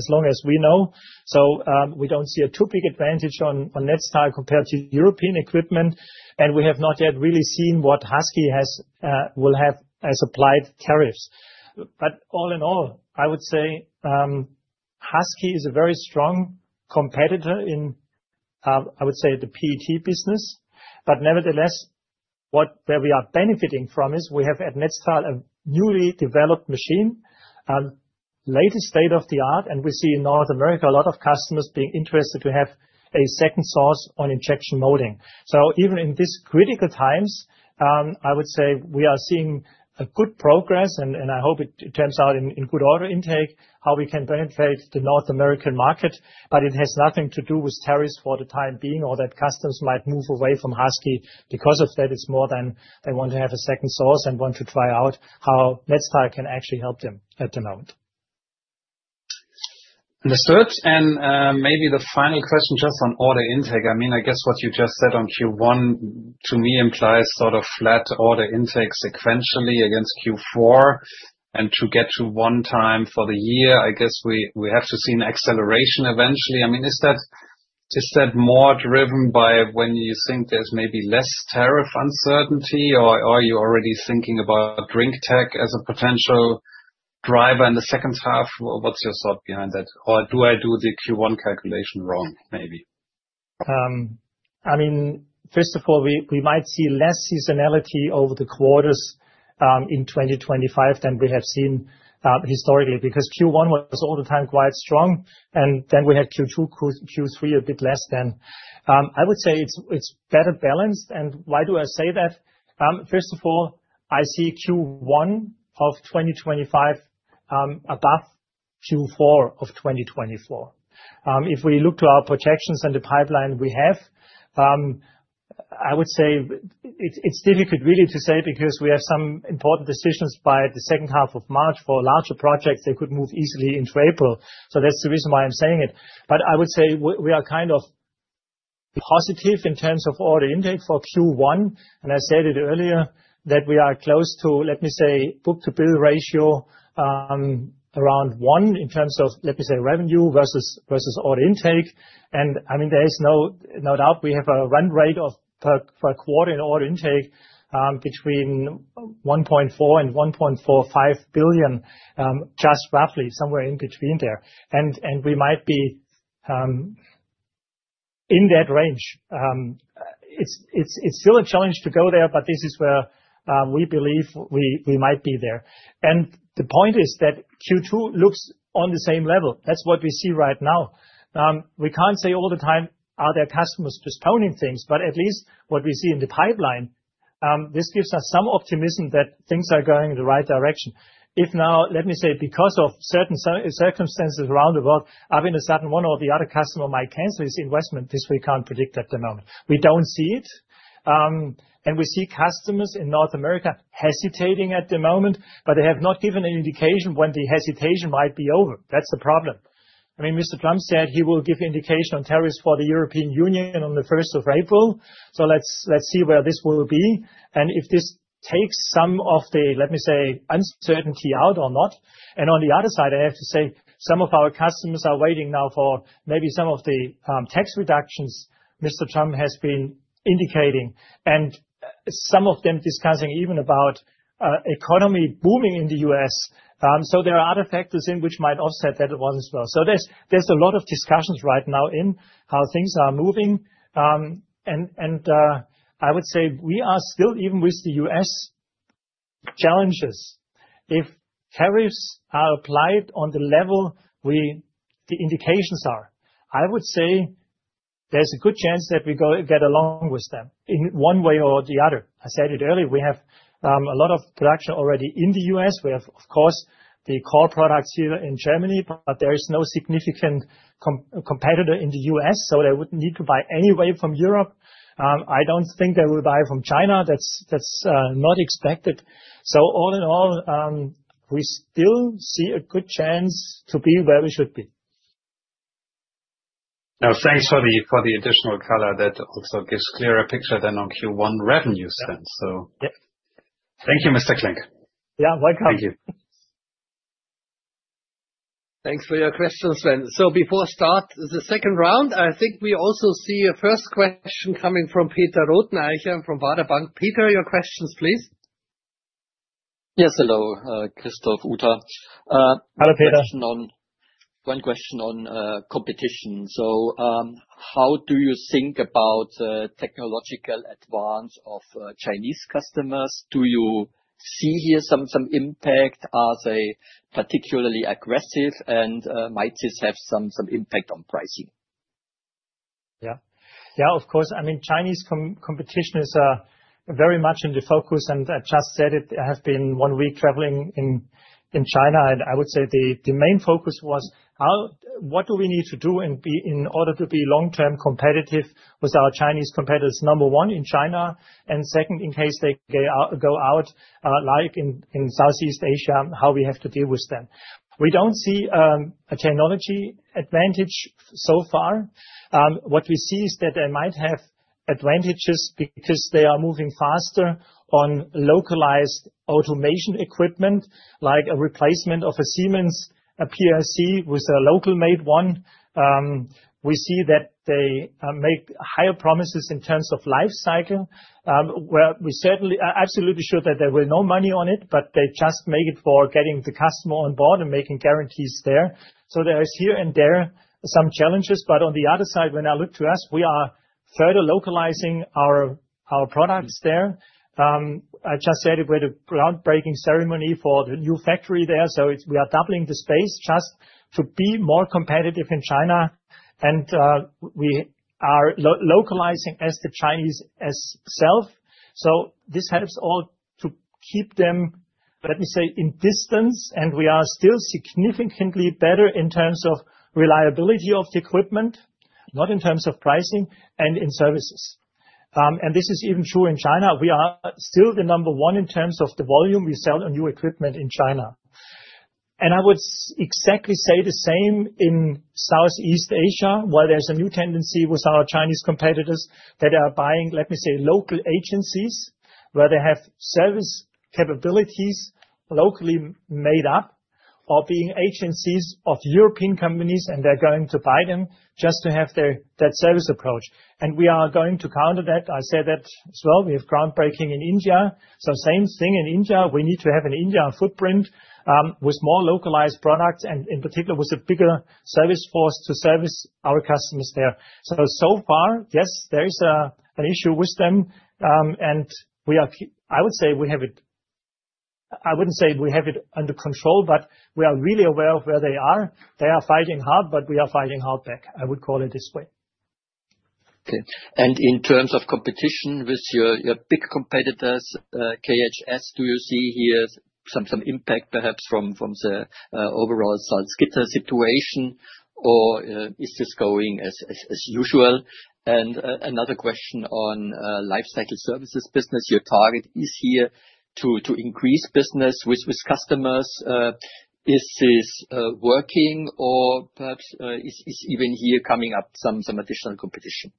long as we know. So we don't see a too big advantage on Netstal compared to European equipment. And we have not yet really seen what Husky will have as applied tariffs. But all in all, I would say Husky is a very strong competitor in, I would say, the PET business. But nevertheless, what we are benefiting from is we have at Netstal a newly developed machine, latest state of the art, and we see in North America a lot of customers being interested to have a second source on injection molding. So even in these critical times, I would say we are seeing good progress, and I hope it turns out in good order intake, how we can benefit the North American market. But it has nothing to do with tariffs for the time being or that customers might move away from Husky because of that. It's more than they want to have a second source and want to try out how Netstal can actually help them at the moment. Understood. And maybe the final question just on order intake. I mean, I guess what you just said on Q1 to me implies sort of flat order intake sequentially against Q4 and to get to one time for the year. I guess we have to see an acceleration eventually. I mean, is that more driven by when you think there's maybe less tariff uncertainty or are you already thinking about drinktec as a potential driver in the second half? What's your thought behind that? Or do I do the Q1 calculation wrong maybe? I mean, first of all, we might see less seasonality over the quarters in 2025 than we have seen historically because Q1 was all the time quite strong. And then we had Q2, Q3 a bit less than. I would say it's better balanced. And why do I say that? First of all, I see Q1 of 2025 above Q4 of 2024. If we look to our projections and the pipeline we have, I would say it's difficult really to say because we have some important decisions by the second half of March for larger projects. They could move easily into April. So that's the reason why I'm saying it. But I would say we are kind of positive in terms of order intake for Q1. And I said it earlier that we are close to, let me say, book-to-bill ratio around one in terms of, let me say, revenue versus order intake. And I mean, there is no doubt we have a run rate of per quarter in order intake between 1.4 and 1.45 billion, just roughly somewhere in between there. And we might be in that range. It's still a challenge to go there, but this is where we believe we might be there. The point is that Q2 looks on the same level. That's what we see right now. We can't say all the time, are there customers postponing things? But at least what we see in the pipeline, this gives us some optimism that things are going in the right direction. If now, let me say, because of certain circumstances around the world, if even one or the other customer might cancel his investment. This we can't predict at the moment. We don't see it. And we see customers in North America hesitating at the moment, but they have not given an indication when the hesitation might be over. That's the problem. I mean, Mr. Trump said he will give indication on tariffs for the European Union on the 1st of April. So let's see where this will be. And if this takes some of the, let me say, uncertainty out or not. And on the other side, I have to say some of our customers are waiting now for maybe some of the tax reduction Mr. Trump has been indicating and some of them discussing even about economy booming in the U.S. So there are other factors in which might offset that as well. So there's a lot of discussions right now in how things are moving. And I would say we are still, even with the U.S. challenges, if tariffs are applied on the level the indications are, I would say there's a good chance that we get along with them in one way or the other. I said it earlier. We have a lot of production already in the U.S. We have, of course, the core products here in Germany, but there is no significant competitor in the U.S., so they wouldn't need to buy anyway from Europe. I don't think they will buy from China. That's not expected. So all in all, we still see a good chance to be where we should be. Now, thanks for the additional color that also gives a clearer picture than on Q1 revenue sense. So thank you, Mr. Klenk. Yeah, welcome. Thank you. Thanks for your questions, Sven. So before I start the second round, I think we also see a first question coming from Peter Rothenaicher from Baader Bank. Peter, your questions, please. Yes, hello, Christoph, Uta. Hello, Peter. One question on competition. So how do you think about the technological advance of Chinese competitors? Do you see here some impact? Are they particularly aggressive and might this have some impact on pricing? Yeah. Yeah, of course. I mean, Chinese competition is very much in the focus. And I just said it. I have been one week traveling in China. And I would say the main focus was what do we need to do in order to be long-term competitive with our Chinese competitors, number one in China and second, in case they go out like in Southeast Asia, how we have to deal with them. We don't see a technology advantage so far. What we see is that they might have advantages because they are moving faster on localized automation equipment, like a replacement of a Siemens PLC with a locally made one. We see that they make higher promises in terms of life cycle, where we're absolutely sure that there will be no money on it, but they just make it for getting the customer on board and making guarantees there. So there are here and there some challenges. But on the other side, when I look to us, we are further localizing our products there. I just said it with a groundbreaking ceremony for the new factory there. So we are doubling the space just to be more competitive in China. And we are localizing as the Chinese itself. So this helps all to keep them, let me say, in distance. And we are still significantly better in terms of reliability of the equipment, not in terms of pricing and in services. And this is even true in China. We are still the number one in terms of the volume we sell on new equipment in China, and I would exactly say the same in Southeast Asia, where there's a new tendency with our Chinese competitors that are buying, let me say, local agencies where they have service capabilities locally made up or being agencies of European companies, and they're going to buy them just to have that service approach, and we are going to counter that. I said that as well. We have groundbreaking in India, so same thing in India. We need to have an India footprint with more localized products and in particular with a bigger service force to service our customers there, so far, yes, there is an issue with them, and I would say we have it. I wouldn't say we have it under control, but we are really aware of where they are. They are fighting hard, but we are fighting hard back. I would call it this way. Okay. And in terms of competition with your big competitors, KHS, do you see here some impact perhaps from the overall Salzgitter situation, or is this going as usual? And another question on life cycle services business. Your target is here to increase business with customers. Is this working, or perhaps is even here coming up some additional competition?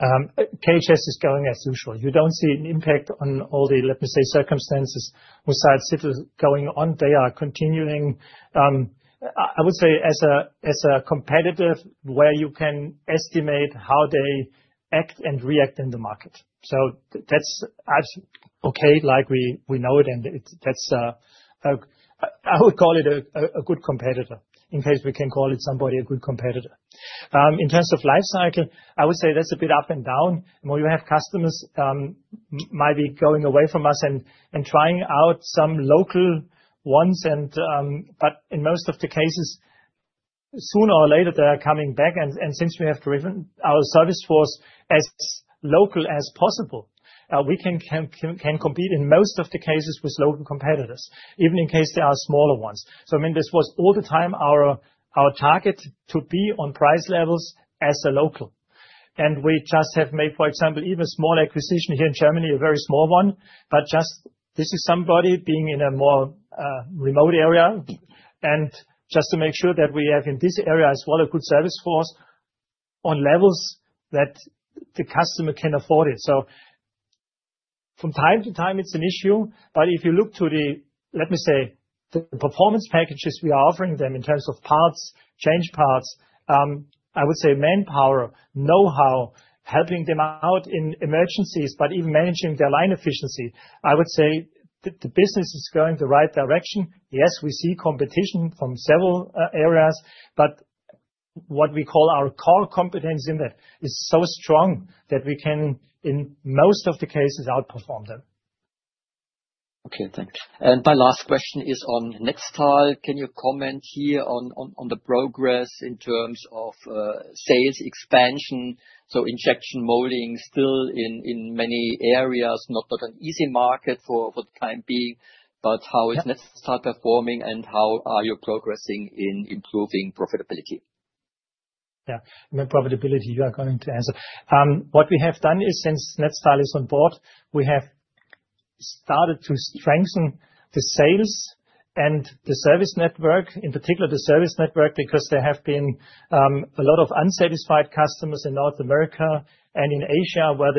KHS is going as usual. You don't see an impact on all the, let me say, circumstances with Salzgitter going on. They are continuing, I would say, as a competitor where you can estimate how they act and react in the market. So that's okay like we know it. I would call it a good competitor in case we can call it somebody a good competitor. In terms of life cycle, I would say that's a bit up and down. More you have customers might be going away from us and trying out some local ones. But in most of the cases, sooner or later, they are coming back. And since we have driven our service force as local as possible, we can compete in most of the cases with local competitors, even in case there are smaller ones. So I mean, this was all the time our target to be on price levels as a local. And we just have made, for example, even a small acquisition here in Germany, a very small one. But just this is somebody being in a more remote area. And just to make sure that we have in this area as well a good service force on levels that the customer can afford it. So from time to time, it's an issue. But if you look to the, let me say, the performance packages we are offering them in terms of parts, change parts, I would say manpower, know-how, helping them out in emergencies, but even managing their line efficiency, I would say the business is going the right direction. Yes, we see competition from several areas, but what we call our core competence in that is so strong that we can, in most of the cases, outperform them. Okay, thanks. And my last question is on Netstal. Can you comment here on the progress in terms of sales expansion? So, injection molding still in many areas not an easy market for the time being, but how is Netstal performing and how are you progressing in improving profitability? Yeah, I mean, profitability, you are going to answer. What we have done is since Netstal is on board, we have started to strengthen the sales and the service network, in particular the service network, because there have been a lot of unsatisfied customers in North America and in Asia where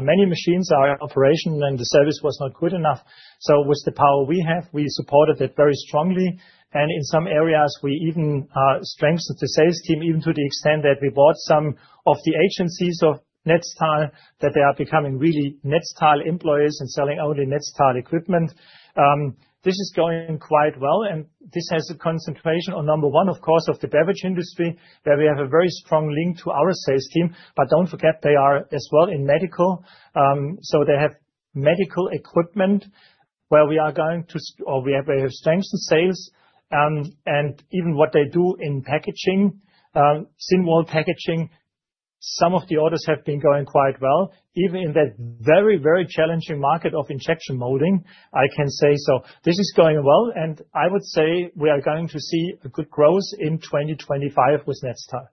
many machines are operational and the service was not good enough. So with the power we have, we supported that very strongly. And in some areas, we even strengthened the sales team even to the extent that we bought some of the agencies of Netstal that they are becoming really Netstal employees and selling only Netstal equipment. This is going quite well. And this has a concentration on number one, of course, of the beverage industry, where we have a very strong link to our sales team. But don't forget, they are as well in medical. So they have medical equipment where we are going to, or we have strengthened sales. And even what they do in packaging, thin-wall packaging, some of the orders have been going quite well. Even in that very, very challenging market of injection molding, I can say. So this is going well. And I would say we are going to see a good growth in 2025 with Netstal.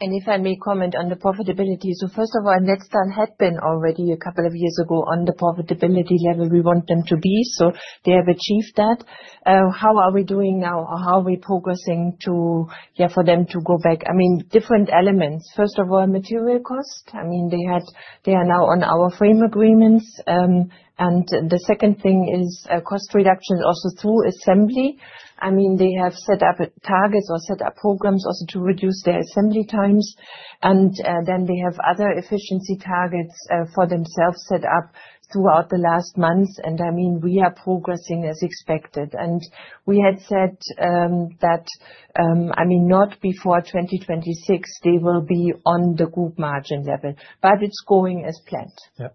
And if I may comment on the profitability. So first of all, Netstal had been already a couple of years ago on the profitability level we want them to be. So they have achieved that. How are we doing now? How are we progressing to, yeah, for them to go back? I mean, different elements. First of all, material cost. I mean, they are now on our frame agreements. And the second thing is cost reduction also through assembly. I mean, they have set up targets or set up programs also to reduce their assembly times. And then they have other efficiency targets for themselves set up throughout the last months. And I mean, we are progressing as expected. And we had said that, I mean, not before 2026, they will be on the group margin level. But it's going as planned. Yeah.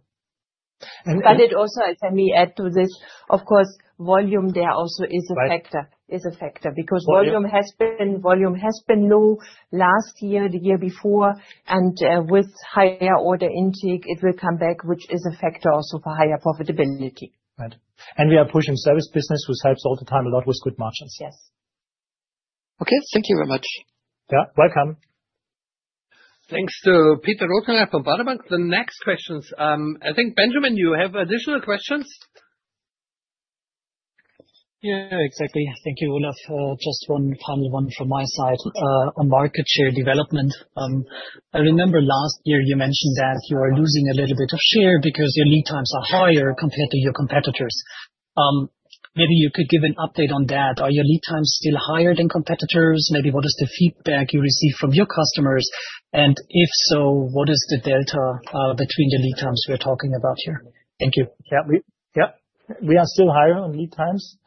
But it also, as I may add to this, of course, volume there also is a factor. Is a factor because volume has been low last year, the year before. And with higher order intake, it will come back, which is a factor also for higher profitability. Right. And we are pushing service business, which helps all the time a lot with good margins. Yes. Okay. Thank you very much. Yeah, welcome. Thanks to Peter Rothenreicher from Baader Bank. The next questions. I think, Benjamin, you have additional questions? Yeah, exactly. Thank you, Olaf. Just one final one from my side on market share development. I remember last year you mentioned that you are losing a little bit of share because your lead times are higher compared to your competitors. Maybe you could give an update on that. Are your lead times still higher than competitors? Maybe what is the feedback you receive from your customers? And if so, what is the delta between the lead times we're talking about here? Thank you. Yeah, we are still higher on lead times.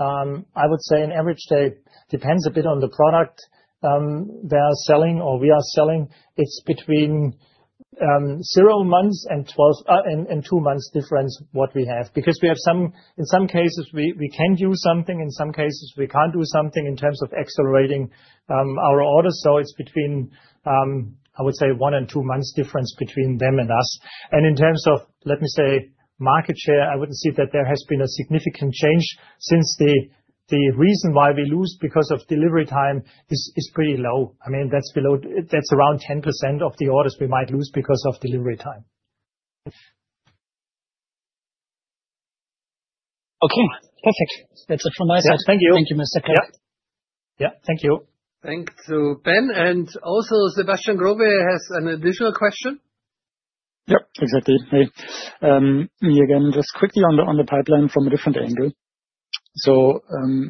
I would say an average delay depends a bit on the product they are selling or we are selling. It's between zero months and two months difference what we have because in some cases, we can do something. In some cases, we can't do something in terms of accelerating our orders. So it's between, I would say, one and two months difference between them and us. And in terms of, let me say, market share, I wouldn't see that there has been a significant change since the reason why we lose because of delivery time is pretty low. I mean, that's around 10% of the orders we might lose because of delivery time. Okay, perfect. That's it from my side. Thank you. Thank you, Mr. Klenk. Yeah, thank you. Thank you. Thank you, Ben. And also, Sebastian Growe has an additional question. Yep, exactly. Me again, just quickly on the pipeline from a different angle. So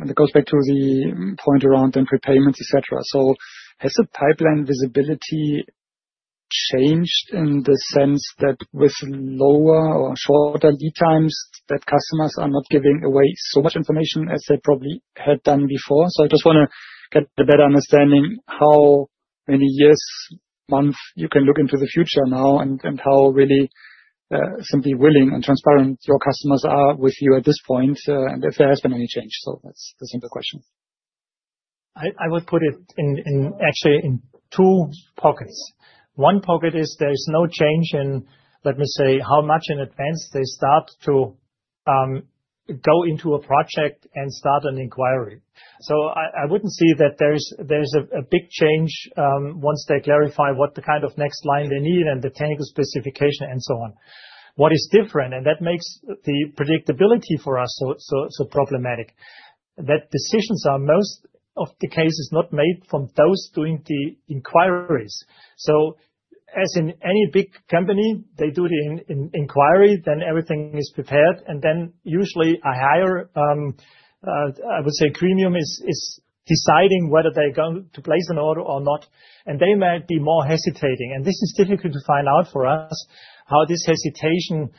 it goes back to the point around then prepayments, etc. So has the pipeline visibility changed in the sense that with lower or shorter lead times, that customers are not giving away so much information as they probably had done before? So I just want to get a better understanding how many years, months you can look into the future now and how really simply willing and transparent your customers are with you at this point and if there has been any change. So that's the simple question. I would put it actually in two pockets. One pocket is there is no change in, let me say, how much in advance they start to go into a project and start an inquiry. So I wouldn't see that there's a big change once they clarify what the kind of next line they need and the technical specification and so on. What is different, and that makes the predictability for us so problematic, that decisions are most of the cases not made from those doing the inquiries. So as in any big company, they do the inquiry, then everything is prepared. And then usually a higher, I would say, premium is deciding whether they're going to place an order or not. And they might be more hesitating. And this is difficult to find out for us how this hesitation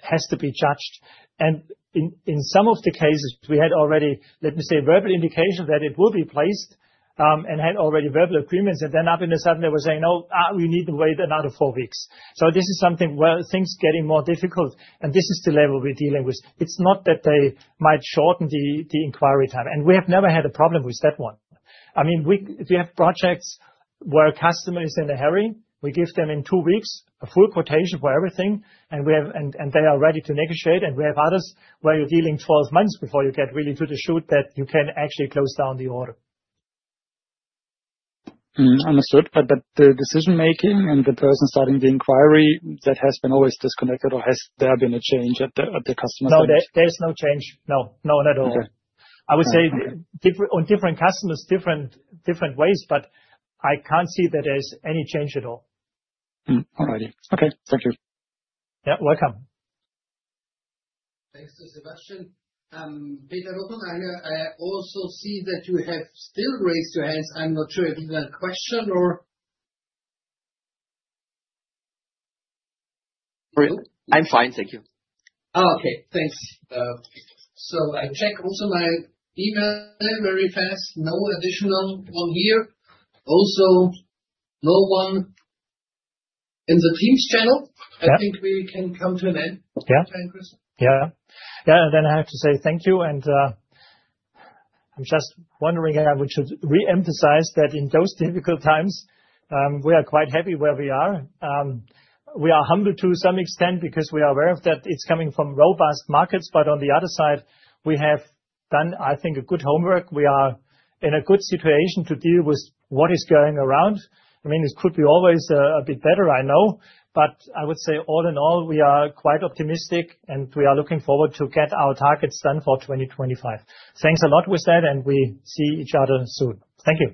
has to be judged. And in some of the cases, we had already, let me say, verbal indication that it will be placed and had already verbal agreements. Then all of a sudden, they were saying, "No, we need to wait another four weeks." This is something where things are getting more difficult. This is the level we're dealing with. It's not that they might shorten the inquiry time. We have never had a problem with that one. I mean, we have projects where a customer is in a hurry. We give them in two weeks a full quotation for everything. They are ready to negotiate. We have others where you're dealing 12 months before you get really to the point that you can actually close the order. Understood. The decision-making and the person starting the inquiry, that has been always disconnected or has there been a change at the customer's side? No, there's no change. No, not at all. I would say on different customers, different ways, but I can't see that there's any change at all. All righty. Okay. Thank you. Yeah, welcome. Thanks to Sebastian. Peter Rothenreicher, I also see that you have still raised your hands. I'm not sure if you have a question or. I'm fine. Thank you. Okay, thanks. So I check also my email very fast. No additional one here. Also no one in the Teams channel. I think we can come to an end. Yeah. Yeah. Yeah. Then I have to say thank you. And I'm just wondering if I should re-emphasize that in those difficult times, we are quite happy where we are. We are humbled to some extent because we are aware of that it's coming from robust markets. But on the other side, we have done, I think, a good homework. We are in a good situation to deal with what is going around. I mean, it could be always a bit better, I know. But I would say all in all, we are quite optimistic and we are looking forward to get our targets done for 2025. Thanks a lot with that. And we see each other soon. Thank you.